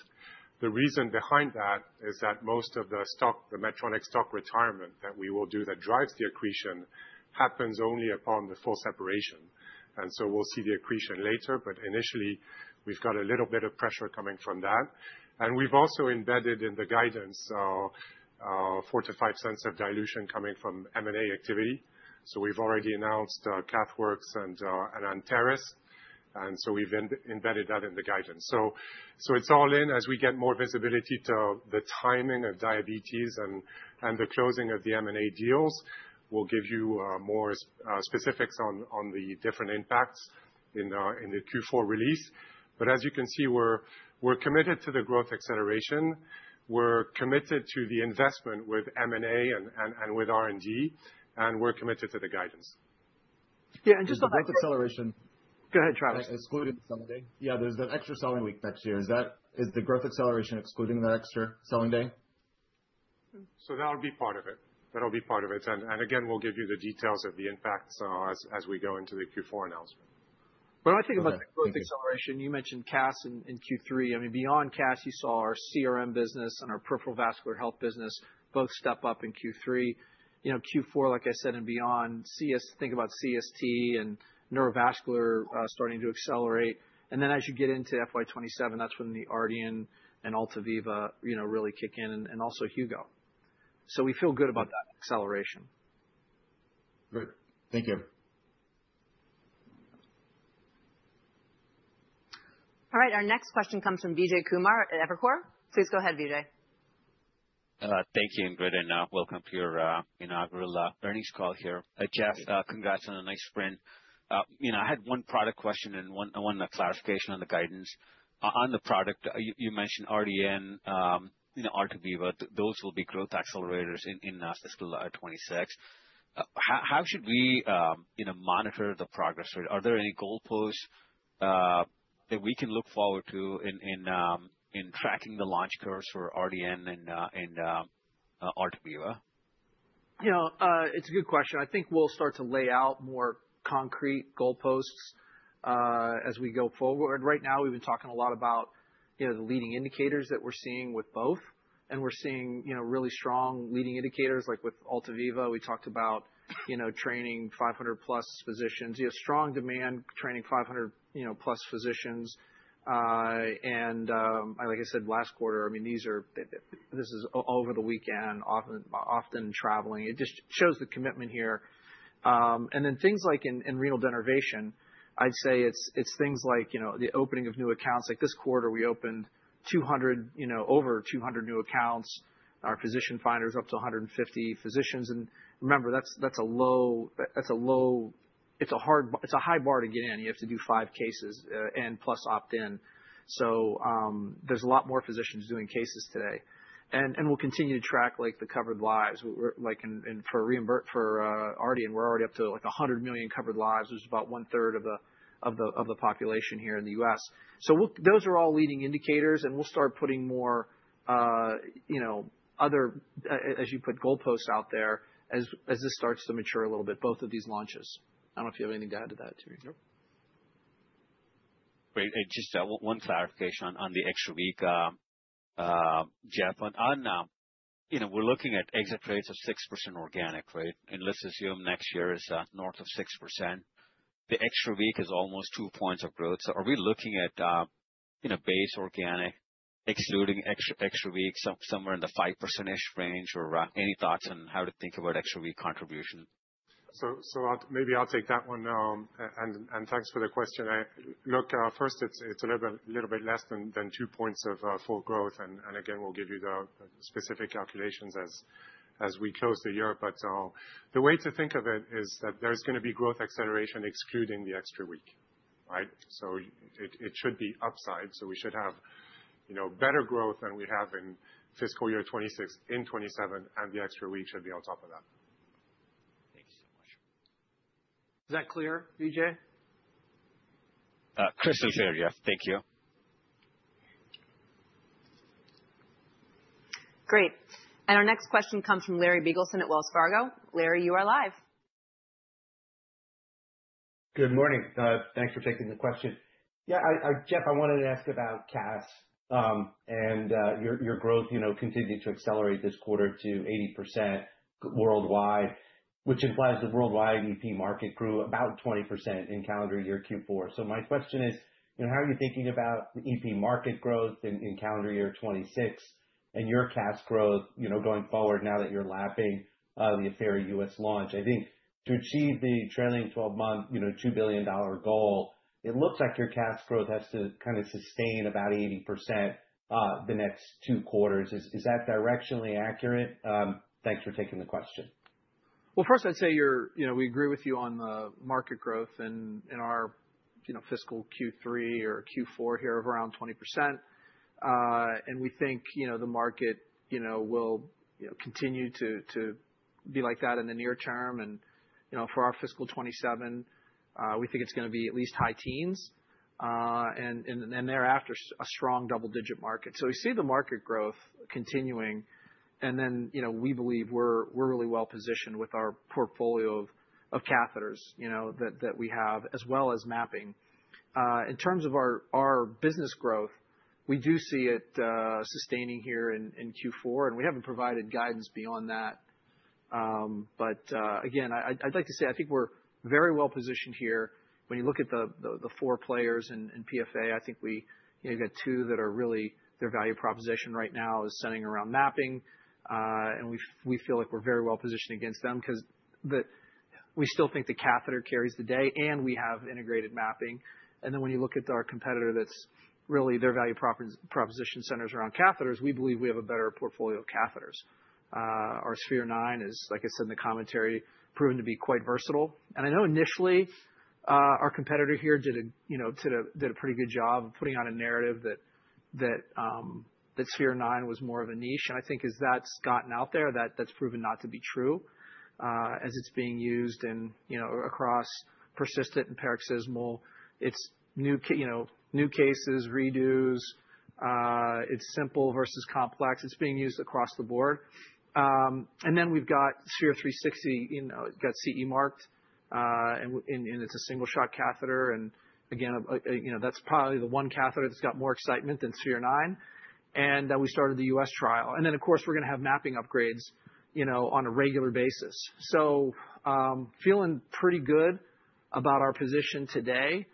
The reason behind that is that most of the stock, the Medtronic stock retirement that we will do that drives the accretion, happens only upon the full separation. And so we'll see the accretion later, but initially, we've got a little bit of pressure coming from that. And we've also embedded in the guidance, $0.04-$0.05 of dilution coming from M&A activity. So we've already announced, CathWorks and Anteris, and so we've embedded that in the guidance. So, it's all in. As we get more visibility to the timing of diabetes and, and the closing of the M&A deals, we'll give you more specifics on, on the different impacts in, in the Q4 release. But as you can see, we're, we're committed to the growth acceleration, we're committed to the investment with M&A and, and, and with R&D, and we're committed to the guidance. Yeah, and just- Is the growth acceleration- Go ahead, Travis. Excluding the selling day? Yeah, there's that extra selling week next year. Is that the growth acceleration excluding that extra selling day? So that'll be part of it. That'll be part of it. And again, we'll give you the details of the impacts, as we go into the Q4 announcement. When I think about the growth acceleration, you mentioned CAS in Q3. I mean, beyond CAS, you saw our CRM business and our peripheral vascular health business both step up in Q3. You know, Q4, like I said, and beyond, CSP—think about CST and neurovascular starting to accelerate. And then as you get into FY 2027, that's when the Ardian and Altaviva, you know, really kick in, and also Hugo. So we feel good about that acceleration. Great. Thank you. All right, our next question comes from Vijay Kumar at Evercore. Please go ahead, Vijay. Thank you, Ingrid, and welcome to your inaugural earnings call here. Geoff, congrats on a nice sprint. You know, I had one product question and one clarification on the guidance. On the product, you mentioned RDN, you know, Altaviva, those will be growth accelerators in fiscal 26. How should we monitor the progress? Are there any goalposts that we can look forward to in tracking the launch curves for RDN and Altaviva? You know, it's a good question. I think we'll start to lay out more concrete goalposts as we go forward. Right now, we've been talking a lot about, you know, the leading indicators that we're seeing with both, and we're seeing, you know, really strong leading indicators. Like with Altaviva, we talked about, you know, training 500+ physicians. You have strong demand, training 500, you know, + physicians. And like I said last quarter, I mean, these are over the weekend, often traveling. It just shows the commitment here. And then things like in renal denervation, I'd say it's things like, you know, the opening of new accounts. Like this quarter, we opened 200, you know, over 200 new accounts. Our physician finder is up to 150 physicians, and remember, that's, that's a low, that's a low... It's a hard, it's a high bar to get in. You have to do five cases and plus opt in. So, there's a lot more physicians doing cases today. And we'll continue to track, like, the covered lives. We're like, and for reimbursement, for Ardian, we're already up to, like, 100 million covered lives, which is about one third of the population here in the U.S. So those are all leading indicators, and we'll start putting more, you know, other as you put goalposts out there, as this starts to mature a little bit, both of these launches. I don't know if you have anything to add to that, too. Nope.... Great, and just one clarification on the extra week, Geoff. On, you know, we're looking at exit rates of 6% organic, right? And let's assume next year is north of 6%. The extra week is almost 2 points of growth. So are we looking at, you know, base organic, excluding extra weeks, so somewhere in the 5%-ish range? Or any thoughts on how to think about extra week contribution? So, I'll maybe take that one. And thanks for the question. Look, first, it's a little bit less than 2 points of full growth, and again, we'll give you the specific calculations as we close the year. But the way to think of it is that there's gonna be growth acceleration excluding the extra week, right? So it should be upside, so we should have, you know, better growth than we have in fiscal year 2026, in 2027, and the extra week should be on top of that. Thank you so much. Is that clear, Vijay? Crystal clear, Geoff. Thank you. Great. Our next question comes from Larry Biegelsen at Wells Fargo. Larry, you are live. Good morning. Thanks for taking the question. Yeah, Geoff, I wanted to ask about CAS, and your growth, you know, continued to accelerate this quarter to 80% worldwide, which implies the worldwide EP market grew about 20% in calendar year Q4. So my question is: you know, how are you thinking about the EP market growth in calendar year 2026 and your CAS growth, you know, going forward now that you're lapping the Affera US launch? I think to achieve the trailing 12month, you know, $2 billion goal, it looks like your CAS growth has to kind of sustain about 80%, the next two quarters. Is that directionally accurate? Thanks for taking the question. Well, first, I'd say you're—you know, we agree with you on the market growth in, in our, you know, fiscal Q3 or Q4 here of around 20%. You know, we think the market, you know, will, you know, continue to, to be like that in the near term. You know, for our fiscal 2027, we think it's gonna be at least high teens, and then thereafter, a strong double-digit market. We see the market growth continuing, and then, you know, we believe we're, we're really well positioned with our portfolio of, of catheters, you know, that, that we have, as well as mapping. In terms of our, our business growth, we do see it sustaining here in Q4, and we haven't provided guidance beyond that. But, again, I'd like to say, I think we're very well positioned here. When you look at the four players in PFA, I think we, you know, got two that are really, their value proposition right now is centering around mapping. And we feel like we're very well positioned against them because we still think the catheter carries the day, and we have integrated mapping. And then, when you look at our competitor, that's really their value proposition centers around catheters, we believe we have a better portfolio of catheters. Our Sphere-9 is, like I said in the commentary, proven to be quite versatile. I know initially, our competitor here did a pretty good job of putting out a narrative that Sphere-9 was more of a niche. And I think as that's gotten out there, that's proven not to be true, as it's being used in, you know, across persistent and paroxysmal. It's new cases, redos, it's simple versus complex. It's being used across the board. And then we've got Sphere-360, you know, got CE Mark, and it's a single-shot catheter. And again, you know, that's probably the one catheter that's got more excitement than Sphere-9. And we started the U.S. trial. And then, of course, we're gonna have mapping upgrades, you know, on a regular basis. Feeling pretty good about our position today,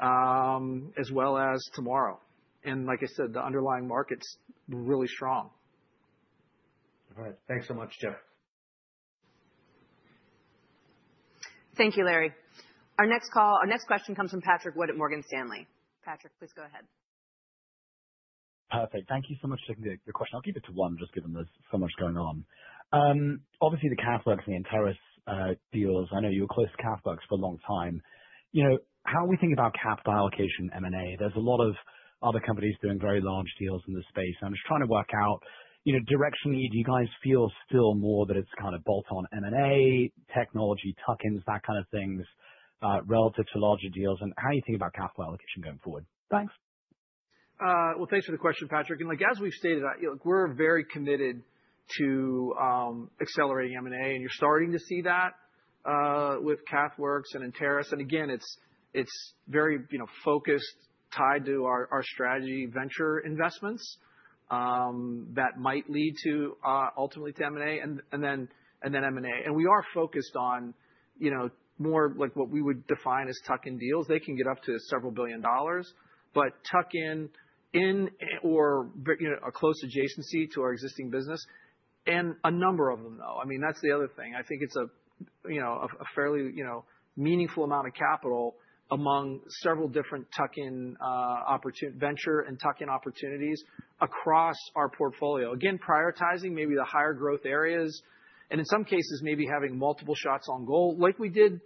as well as tomorrow, and like I said, the underlying market's really strong. All right. Thanks so much, Geoff. Thank you, Larry. Our next question comes from Patrick Wood at Morgan Stanley. Patrick, please go ahead. Perfect. Thank you so much for taking the question. I'll keep it to one, just given there's so much going on. Obviously, the CathWorks and the Anteris deals, I know you were close to CathWorks for a long time. You know, how are we thinking about capital allocation, M&A? There's a lot of other companies doing very large deals in this space, and I'm just trying to work out, you know, directionally, do you guys feel still more that it's kind of bolt-on M&A, technology, tuck-ins, that kind of things relative to larger deals, and how do you think about capital allocation going forward? Thanks. Well, thanks for the question, Patrick. And, like, as we've stated, you know, we're very committed to accelerating M&A, and you're starting to see that with CathWorks and Anteris. And again, it's, it's very, you know, focused, tied to our, our strategy venture investments that might lead to ultimately to M&A, and, and then, and then M&A. And we are focused on, you know, more like what we would define as tuck-in deals. They can get up to $several billion, but tuck-in, in or v- you know, a close adjacency to our existing business, and a number of them, though. I mean, that's the other thing. I think it's a, you know, a, a fairly, you know, meaningful amount of capital among several different tuck-in, opportu- venture and tuck-in opportunities across our portfolio. Again, prioritizing maybe the higher growth areas, and in some cases, maybe having multiple shots on goal, like we did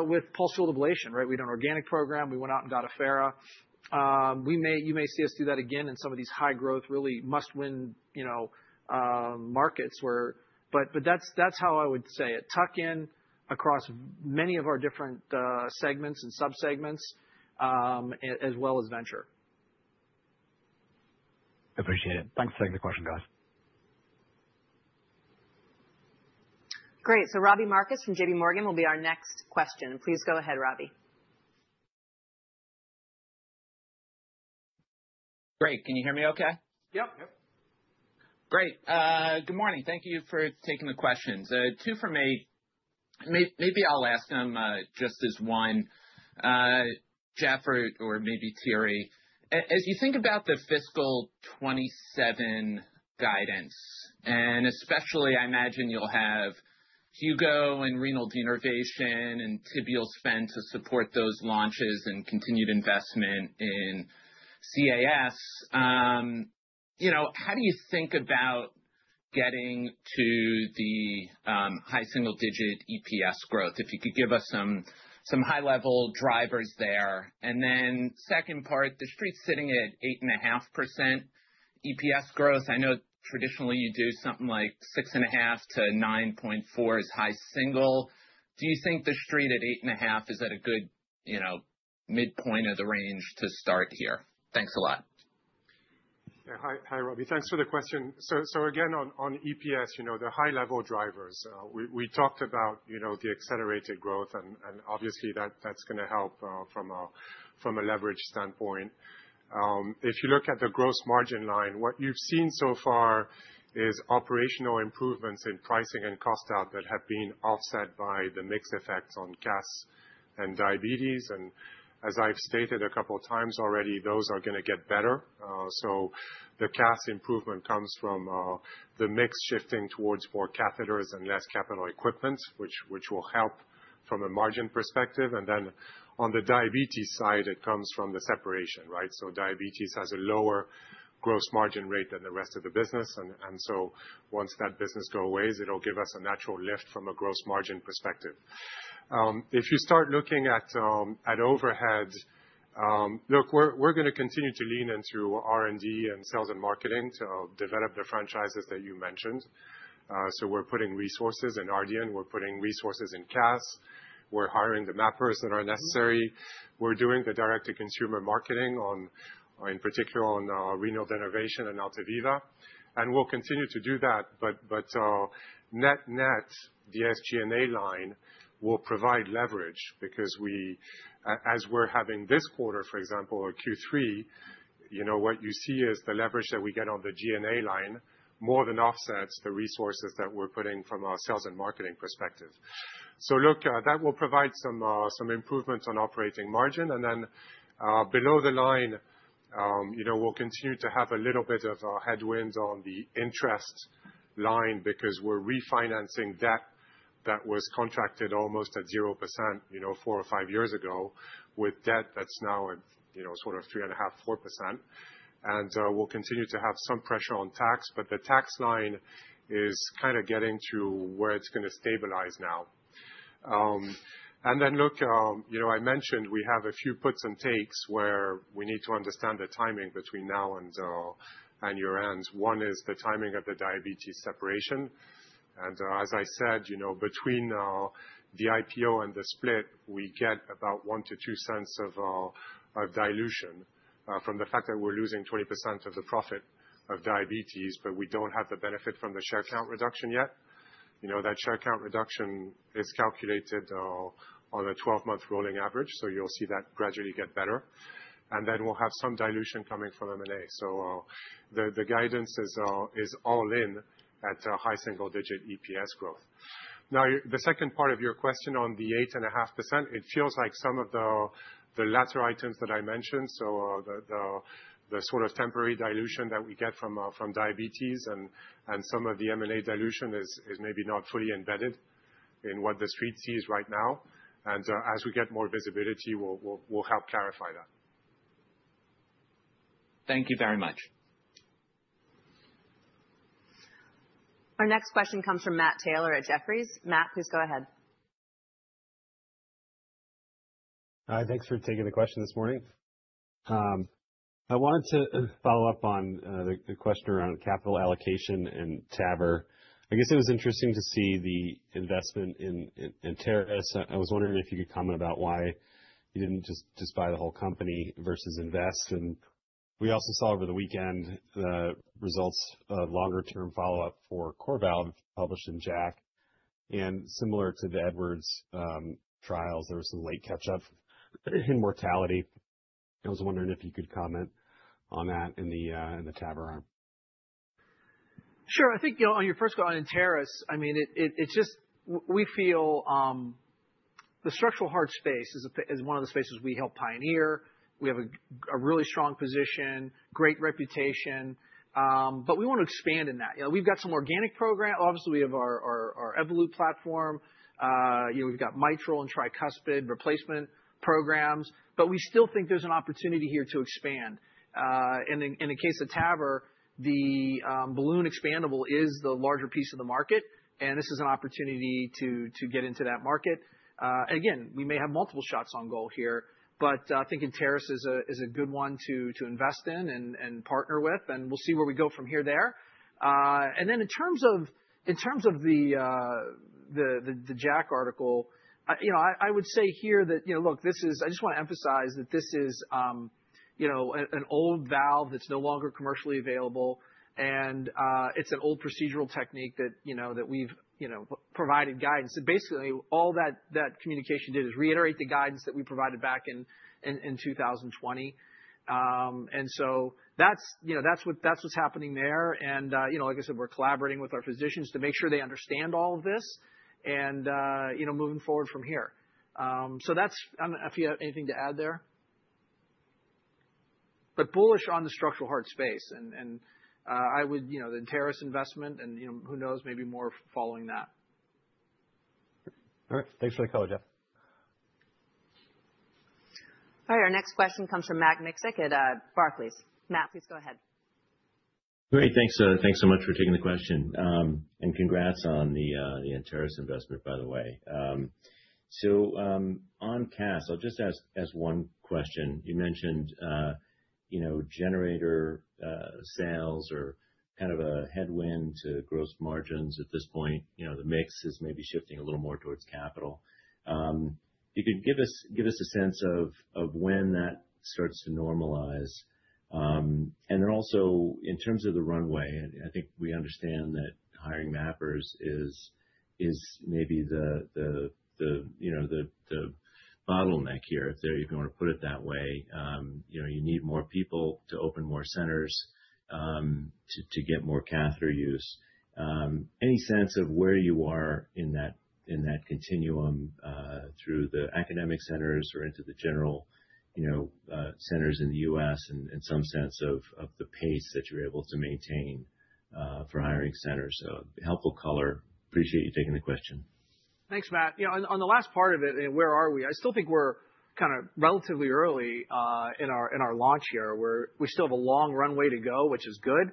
with pulsed field ablation, right? We had an organic program. We went out and got Affera. We may, you may see us do that again in some of these high growth, really must-win, you know, markets where... But that's how I would say it: tuck-in across many of our different segments and subsegments as well as venture. Appreciate it. Thanks for taking the question, guys.... Great. So Robbie Marcus from JPMorgan will be our next question. Please go ahead, Robbie. Great. Can you hear me okay? Yep. Great. Good morning. Thank you for taking the questions. Two from me. Maybe I'll ask them just as one. Geoffrey, or maybe Thierry, as you think about the fiscal 2027 guidance, and especially I imagine you'll have Hugo and renal denervation and tibial spend to support those launches and continued investment in CAS, you know, how do you think about getting to the high single-digit EPS growth? If you could give us some high level drivers there. And then second part, the street's sitting at 8.5% EPS growth. I know traditionally, you do something like 6.5-9.4 is high single. Do you think the street at 8.5 is at a good midpoint of the range to start here? Thanks a lot. Yeah. Hi, hi, Robbie. Thanks for the question. Again, on EPS, you know, the high level drivers, we talked about, you know, the accelerated growth and, and obviously that's going to help, you know, from a leverage standpoint. If you look at the gross margin line, what you've seen so far is operational improvements in pricing and cost out that have been offset by the mix effects on CAS and diabetes. As I've stated a couple of times already, those are going to get better. The CAS improvement comes from the mix shifting towards more catheters and less capital equipment, which will help from a margin perspective. Then on the diabetes side, it comes from the separation, right? So diabetes has a lower gross margin rate than the rest of the business, and so once that business go away, it'll give us a natural lift from a gross margin perspective. If you start looking at overhead, look, we're going to continue to lean into R&D and sales and marketing to develop the franchises that you mentioned. So we're putting resources in Ardian, we're putting resources in CAS, we're hiring the mappers that are necessary. We're doing the direct-to-consumer marketing on, in particular on, renal denervation and Altaviva, and we'll continue to do that. The SG&A line will provide leverage because we, as we're having this quarter, for example, or Q3, you know, what you see is the leverage that we get on the GNA line, more than offsets the resources that we're putting from our sales and marketing perspective. So look, that will provide some improvements on operating margin, and then, below the line, you know, we'll continue to have a little bit of headwinds on the interest line because we're refinancing debt that was contracted almost at 0%, you know, four or five years ago, with debt that's now at, you know, sort of 3.5%-4%. And we'll continue to have some pressure on tax, but the tax line is kind of getting to where it's going to stabilize now. And then, look, you know, I mentioned we have a few puts and takes where we need to understand the timing between now and year end. One is the timing of the diabetes separation, and as I said, you know, between the IPO and the split, we get about $0.01-$0.02 of dilution from the fact that we're losing 20% of the profit of diabetes, but we don't have the benefit from the share count reduction yet. You know, that share count reduction is calculated on a 12-month rolling average, so you'll see that gradually get better. And then we'll have some dilution coming from M&A. So, the guidance is all in at a high single-digit EPS growth. Now, the second part of your question on the 8.5%, it feels like some of the latter items that I mentioned, so the sort of temporary dilution that we get from diabetes and some of the M&A dilution is maybe not fully embedded in what the street sees right now. And as we get more visibility, we'll help clarify that. Thank you very much. Our next question comes from Matthew Taylor at Jefferies. Matthew, please go ahead. Hi, thanks for taking the question this morning. I wanted to follow up on the question around capital allocation and TAVR. I guess it was interesting to see the investment in Anteris. I was wondering if you could comment about why you didn't just buy the whole company versus invest. And we also saw over the weekend, the results of longer term follow-up for CoreValve, published in JACC, and similar to the Edwards trials, there was some late catch up in mortality. I was wondering if you could comment on that in the TAVR arm. Sure. I think, you know, on your first go on Travis, I mean, it's just we feel the structural heart space is one of the spaces we helped pioneer. We have a really strong position, great reputation, but we want to expand in that. You know, we've got some organic program—obviously, we have our Evolut platform, you know, we've got mitral and tricuspid replacement programs, but we still think there's an opportunity here to expand. And in the case of TAVR, the balloon expandable is the larger piece of the market, and this is an opportunity to get into that market. Again, we may have multiple shots on goal here, but thinking Anteris is a good one to invest in and partner with, and we'll see where we go from here there. And then in terms of the JACC article, you know, I would say here that, you know, look, this is, I just wanna emphasize that this is, you know, an old valve that's no longer commercially available, and it's an old procedural technique that, you know, that we've provided guidance. So basically, all that communication did is reiterate the guidance that we provided back in 2020. And so that's, you know, that's what's happening there. And, you know, like I said, we're collaborating with our physicians to make sure they understand all of this and, you know, moving forward from here. So that's... I don't know if you have anything to add there. But bullish on the structural heart space, and, and, I would, you know, the Anteris investment and, you know, who knows, maybe more following that. All right. Thanks for the call, Geoff. All right, our next question comes from Matthew Miksic at Barclays. Matthew, please go ahead. Great. Thanks, thanks so much for taking the question. And congrats on the Affera investment, by the way. So, on cath, I'll just ask one question. You mentioned, you know, generator sales or kind of a headwind to gross margins at this point, you know, the mix is maybe shifting a little more towards capital. If you could give us a sense of when that starts to normalize. And then also, in terms of the runway, I think we understand that hiring mappers is maybe the bottleneck here, if you wanna put it that way. You know, you need more people to open more centers to get more catheter use. Any sense of where you are in that, in that continuum, through the academic centers or into the general, you know, centers in the U.S. and, and some sense of, of the pace that you're able to maintain, for hiring centers? So helpful color. Appreciate you taking the question. Thanks, Matthew. You know, on the last part of it, and where are we? I still think we're kind of relatively early in our launch here, where we still have a long runway to go, which is good,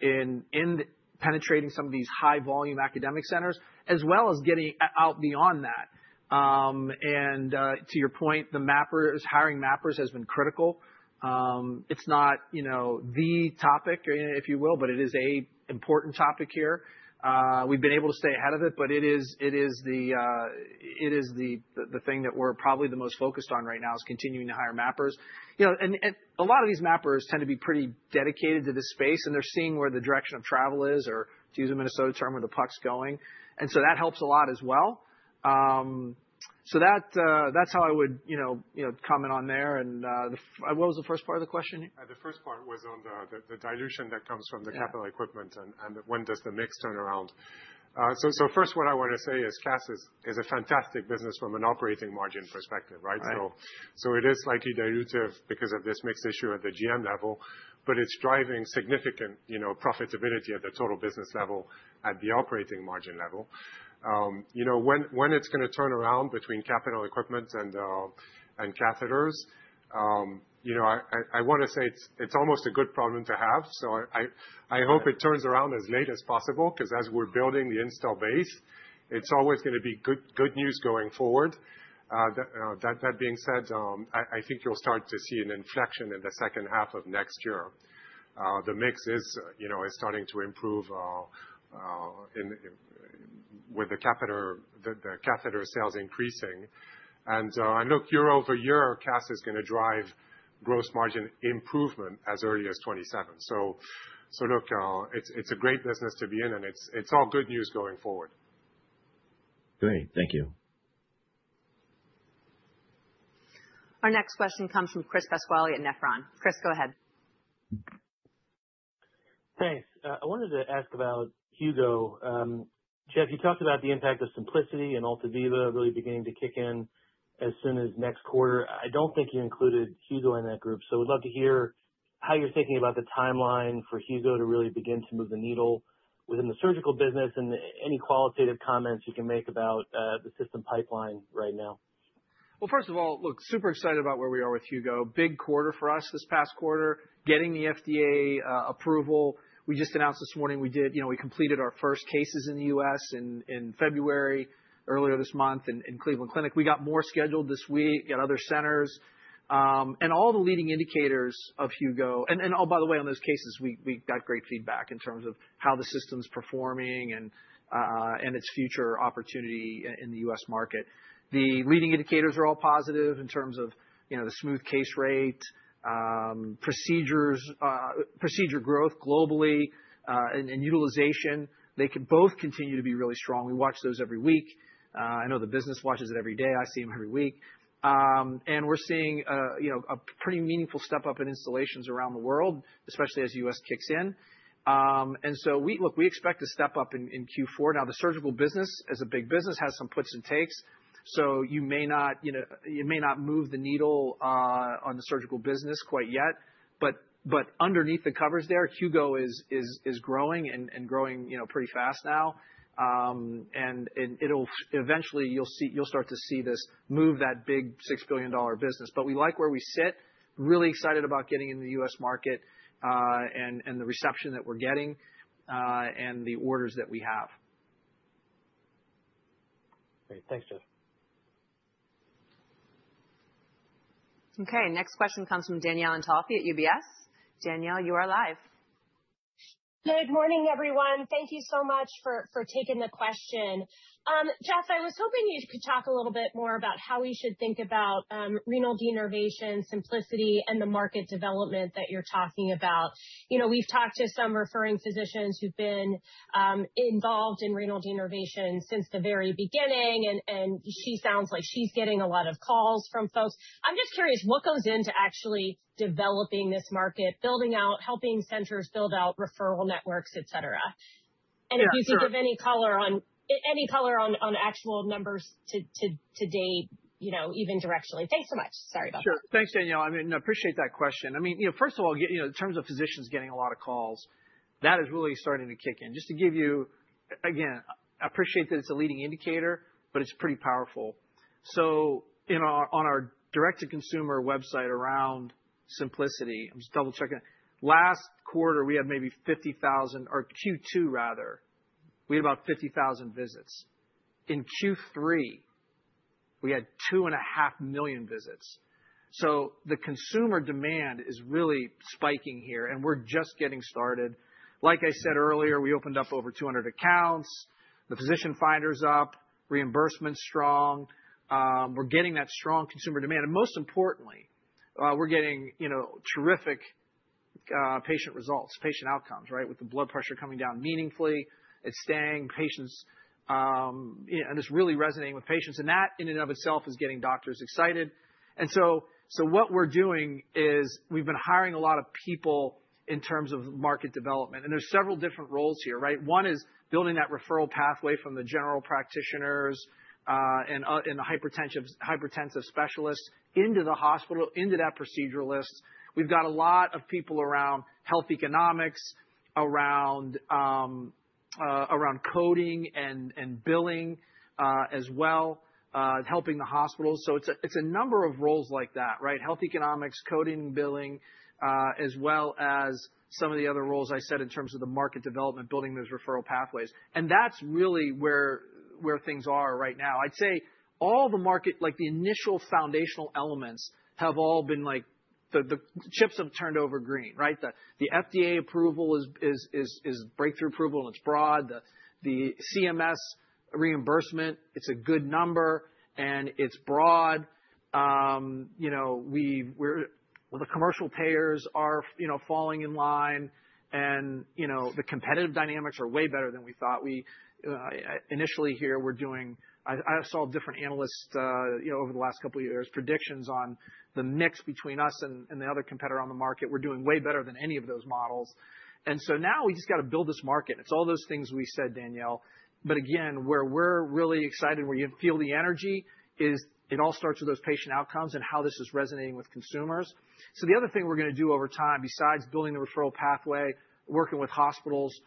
in penetrating some of these high volume academic centers, as well as getting out beyond that. And, to your point, the mappers, hiring mappers has been critical. It's not, you know, the topic, if you will, but it is an important topic here. We've been able to stay ahead of it, but it is the thing that we're probably the most focused on right now is continuing to hire mappers. You know, and a lot of these mappers tend to be pretty dedicated to this space, and they're seeing where the direction of travel is, or to use a Minnesota term, where the puck's going. And so that helps a lot as well. So that, that's how I would, you know, you know, comment on there. What was the first part of the question again? The first part was on the dilution that comes from the capital equipment- Yeah. When does the mix turn around? So first, what I want to say is cath is a fantastic business from an operating margin perspective, right? Right. So it is slightly dilutive because of this mix issue at the GM level, but it's driving significant, you know, profitability at the total business level, at the operating margin level. You know, when it's gonna turn around between capital equipment and catheters, you know, I wanna say it's almost a good problem to have. So I hope- Right... it turns around as late as possible, 'cause as we're building the install base, it's always gonna be good, good news going forward. That being said, I think you'll start to see an inflection in the H2 of next year. The mix is, you know, starting to improve with the catheter sales increasing. And look, year over year, cath is gonna drive gross margin improvement as early as 2027. So look, it's a great business to be in, and it's all good news going forward. Great. Thank you. Our next question comes from Chris Pasquale at Nephron. Chris, go ahead. Thanks. I wanted to ask about Hugo. Goeff, you talked about the impact of Symplicity and AltaValve really beginning to kick in as soon as next quarter. I don't think you included Hugo in that group, so I would love to hear how you're thinking about the timeline for Hugo to really begin to move the needle within the surgical business and any qualitative comments you can make about the system pipeline right now. Well, first of all, look, super excited about where we are with Hugo. Big quarter for us this past quarter, getting the FDA approval. We just announced this morning, we did—you know, we completed our first cases in the U.S. in February, earlier this month, in Cleveland Clinic. We got more scheduled this week at other centers. And all the leading indicators of Hugo. And, oh, by the way, on those cases, we got great feedback in terms of how the system's performing and its future opportunity in the U.S. market. The leading indicators are all positive in terms of, you know, the smooth case rate, procedures, procedure growth globally, and utilization. They can both continue to be really strong. We watch those every week. I know the business watches it every day. I see them every week. And we're seeing, you know, a pretty meaningful step up in installations around the world, especially as U.S. kicks in. And so we look, we expect to step up in Q4. Now, the surgical business, as a big business, has some puts and takes, so you may not, you know, you may not move the needle on the surgical business quite yet, but underneath the covers there, Hugo is growing and growing, you know, pretty fast now. And it'll eventually you'll see you'll start to see this move, that big $6 billion business. But we like where we sit. Really excited about getting in the U.S. market and the reception that we're getting and the orders that we have. Great. Thanks, Geoff. Okay, next question comes from Danielle Antalffy at UBS. Danielle, you are live. Good morning, everyone. Thank you so much for taking the question. Geoff, I was hoping you could talk a little bit more about how we should think about renal denervation, Symplicity, and the market development that you're talking about. You know, we've talked to some referring physicians who've been involved in renal denervation since the very beginning, and she sounds like she's getting a lot of calls from folks. I'm just curious, what goes into actually developing this market, building out helping centers build out referral networks, et cetera? Yeah, sure. And if you could give any color on actual numbers to date, you know, even directionally. Thanks so much. Sorry about that. Sure. Thanks, Danielle. I mean, I appreciate that question. I mean, you know, first of all, you know, in terms of physicians getting a lot of calls, that is really starting to kick in. Just to give you, again, I appreciate that it's a leading indicator, but it's pretty powerful. So on our direct-to-consumer website around Symplicity, I'm just double-checking. Last quarter, we had maybe 50,000... Or Q2 rather, we had about 50,000 visits. In Q3, we had 2.5 million visits. So the consumer demand is really spiking here, and we're just getting started. Like I said earlier, we opened up over 200 accounts. The physician finder's up, reimbursement's strong. We're getting that strong consumer demand, and most importantly, we're getting, you know, terrific patient results, patient outcomes, right? With the blood pressure coming down meaningfully. It's staying patients, you know, and it's really resonating with patients, and that, in and of itself, is getting doctors excited. So what we're doing is we've been hiring a lot of people in terms of market development, and there's several different roles here, right? One is building that referral pathway from the general practitioners and the hypertension hypertensive specialists into the hospital, into that proceduralist. We've got a lot of people around health economics, around coding and billing as well, helping the hospitals. So it's a number of roles like that, right? Health economics, coding, billing as well as some of the other roles I said in terms of the market development, building those referral pathways. And that's really where things are right now. I'd say all the market, like the initial foundational elements, have all been like the chips have turned over green, right? The FDA approval is breakthrough approval, and it's broad. The CMS reimbursement, it's a good number, and it's broad. You know, the commercial payers are, you know, falling in line, and, you know, the competitive dynamics are way better than we thought. We initially here, we're doing. I saw different analysts, you know, over the last couple of years, predictions on the mix between us and the other competitor on the market. We're doing way better than any of those models. And so now we just got to build this market. It's all those things we said, Danielle. But again, where we're really excited, where you feel the energy is it all starts with those patient outcomes and how this is resonating with consumers. So the other thing we're going to do over time, besides building the referral pathway, working with hospitals,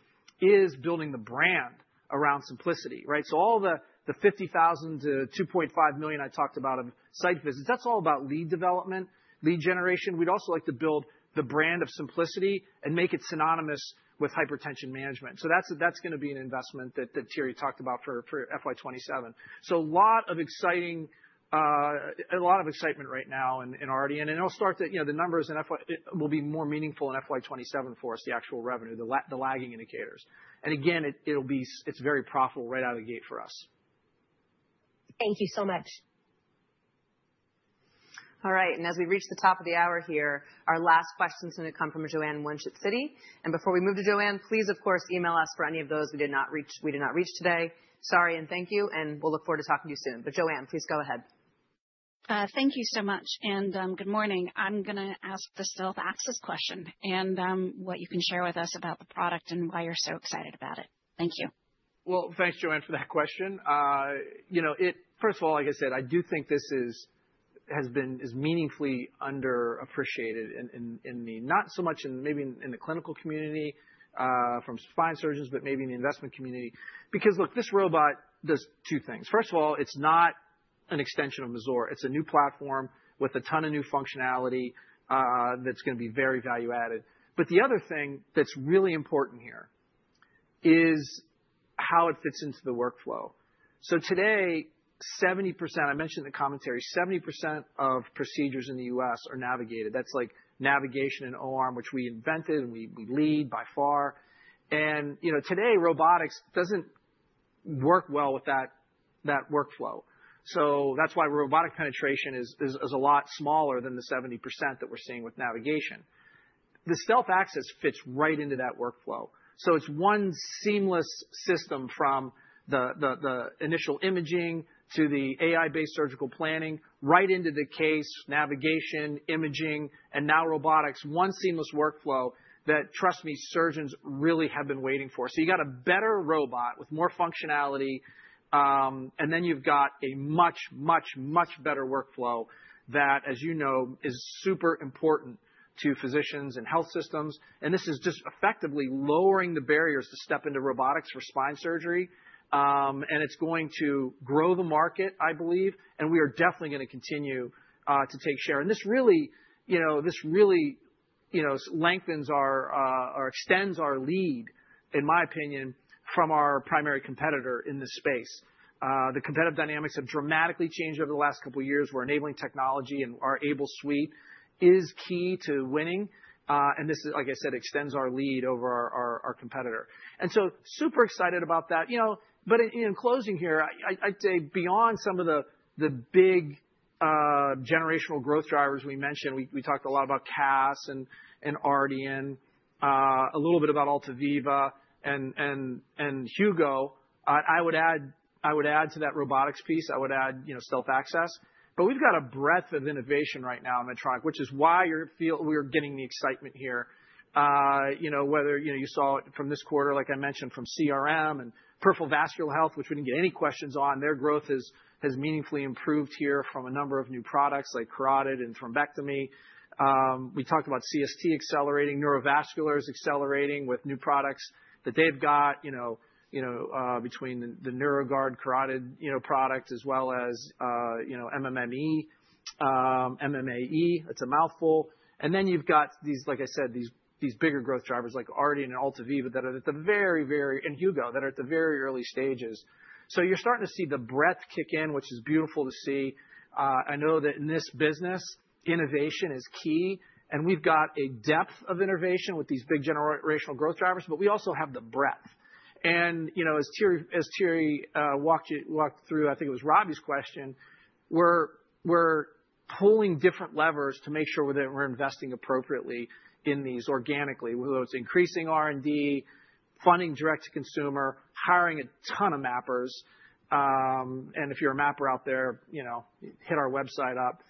is building the brand around Symplicity, right? So all the, the 50,000 to 2.5 million I talked about in site visits, that's all about lead development, lead generation. We'd also like to build the brand of Symplicity and make it synonymous with hypertension management. So that's, that's gonna be an investment that, that Gary talked about for, for FY27. So a lot of exciting, a lot of excitement right now in, in RD. And it'll start to, you know, the numbers in FY -- will be more meaningful in FY27 for us, the actual revenue, the lagging indicators. And again, it'll be... It's very profitable right out of the gate for us. Thank you so much. All right, and as we reach the top of the hour here, our last question is going to come from Joanne Wuensch, Citigroup. And before we move to Joanne, please, of course, email us for any of those we did not reach today. Sorry, and thank you, and we'll look forward to talking to you soon. But Joanne, please go ahead. Thank you so much, and good morning. I'm gonna ask the Stealth AXiS question and what you can share with us about the product and why you're so excited about it. Thank you. Well, thanks, Joanne, for that question. You know, it, first of all, like I said, I do think this is, has been, is meaningfully underappreciated in the... Not so much in, maybe in the clinical community from spine surgeons, but maybe in the investment community. Because, look, this robot does two things. First of all, it's not an extension of Mazor. It's a new platform with a ton of new functionality that's gonna be very value-added. But the other thing that's really important here is how it fits into the workflow. So today, 70%, I mentioned in the commentary, 70% of procedures in the U.S. are navigated. That's like navigation and OR, which we invented, and we lead by far. And, you know, today, robotics doesn't work well with that workflow. So that's why robotic penetration is a lot smaller than the 70% that we're seeing with navigation. The Stealth AXiS fits right into that workflow, so it's one seamless system from the initial imaging to the AI-based surgical planning, right into the case, navigation, imaging, and now robotics. One seamless workflow that, trust me, surgeons really have been waiting for. So you got a better robot with more functionality, and then you've got a much, much, much better workflow that, as you know, is super important to physicians and health systems. And this is just effectively lowering the barriers to step into robotics for spine surgery. And it's going to grow the market, I believe, and we are definitely gonna continue to take share. And this really, you know, this really-... You know, lengthens our, or extends our lead, in my opinion, from our primary competitor in this space. The competitive dynamics have dramatically changed over the last couple of years. We're enabling technology, and our AiBLE suite is key to winning. And this is, like I said, extends our lead over our, our, our competitor. And so super excited about that. You know, but in closing here, I'd say beyond some of the big generational growth drivers we mentioned, we talked a lot about CAS and Ardian, a little bit about Altaviva and Hugo. I would add to that robotics piece, I would add, you know, Stealth AXiS. But we've got a breadth of innovation right now in Medtronic, which is why we're getting the excitement here. You know, whether, you know, you saw it from this quarter, like I mentioned, from CRM and Peripheral Vascular Health, which we didn't get any questions on. Their growth is has meaningfully improved here from a number of new products like carotid and thrombectomy. We talked about CST accelerating. Neurovascular is accelerating with new products that they've got, you know, between the NeuroGuard carotid, you know, product, as well as, you know, MMAE, it's a mouthful. And then you've got these, like I said, these, these bigger growth drivers like Ardian and Altaviva, that are at the very, very... And Hugo, that are at the very early stages. So you're starting to see the breadth kick in, which is beautiful to see. I know that in this business, innovation is key, and we've got a depth of innovation with these big generational growth drivers, but we also have the breadth. And, you know, as Thierry walked you through, I think it was Robbie's question, we're pulling different levers to make sure that we're investing appropriately in these organically, whether it's increasing R&D, funding direct to consumer, hiring a ton of mappers. And if you're a mapper out there, you know, hit our website up.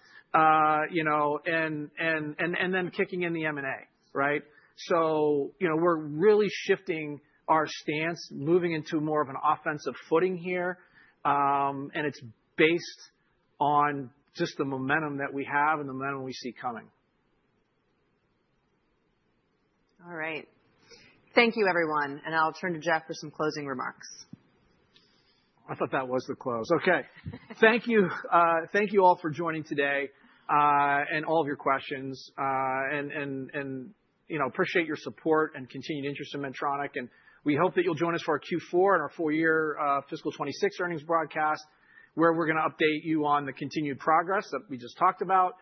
You know, and then kicking in the M&A, right? So, you know, we're really shifting our stance, moving into more of an offensive footing here, and it's based on just the momentum that we have and the momentum we see coming. All right. Thank you, everyone, and I'll turn to Geoff for some closing remarks. I thought that was the close. Okay. Thank you, thank you all for joining today, and all of your questions. You know, appreciate your support and continued interest in Medtronic, and we hope that you'll join us for our Q4 and our full year, fiscal 2026 earnings broadcast, where we're going to update you on the continued progress that we just talked about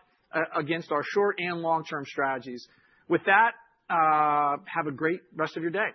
against our short and long-term strategies. With that, have a great rest of your day.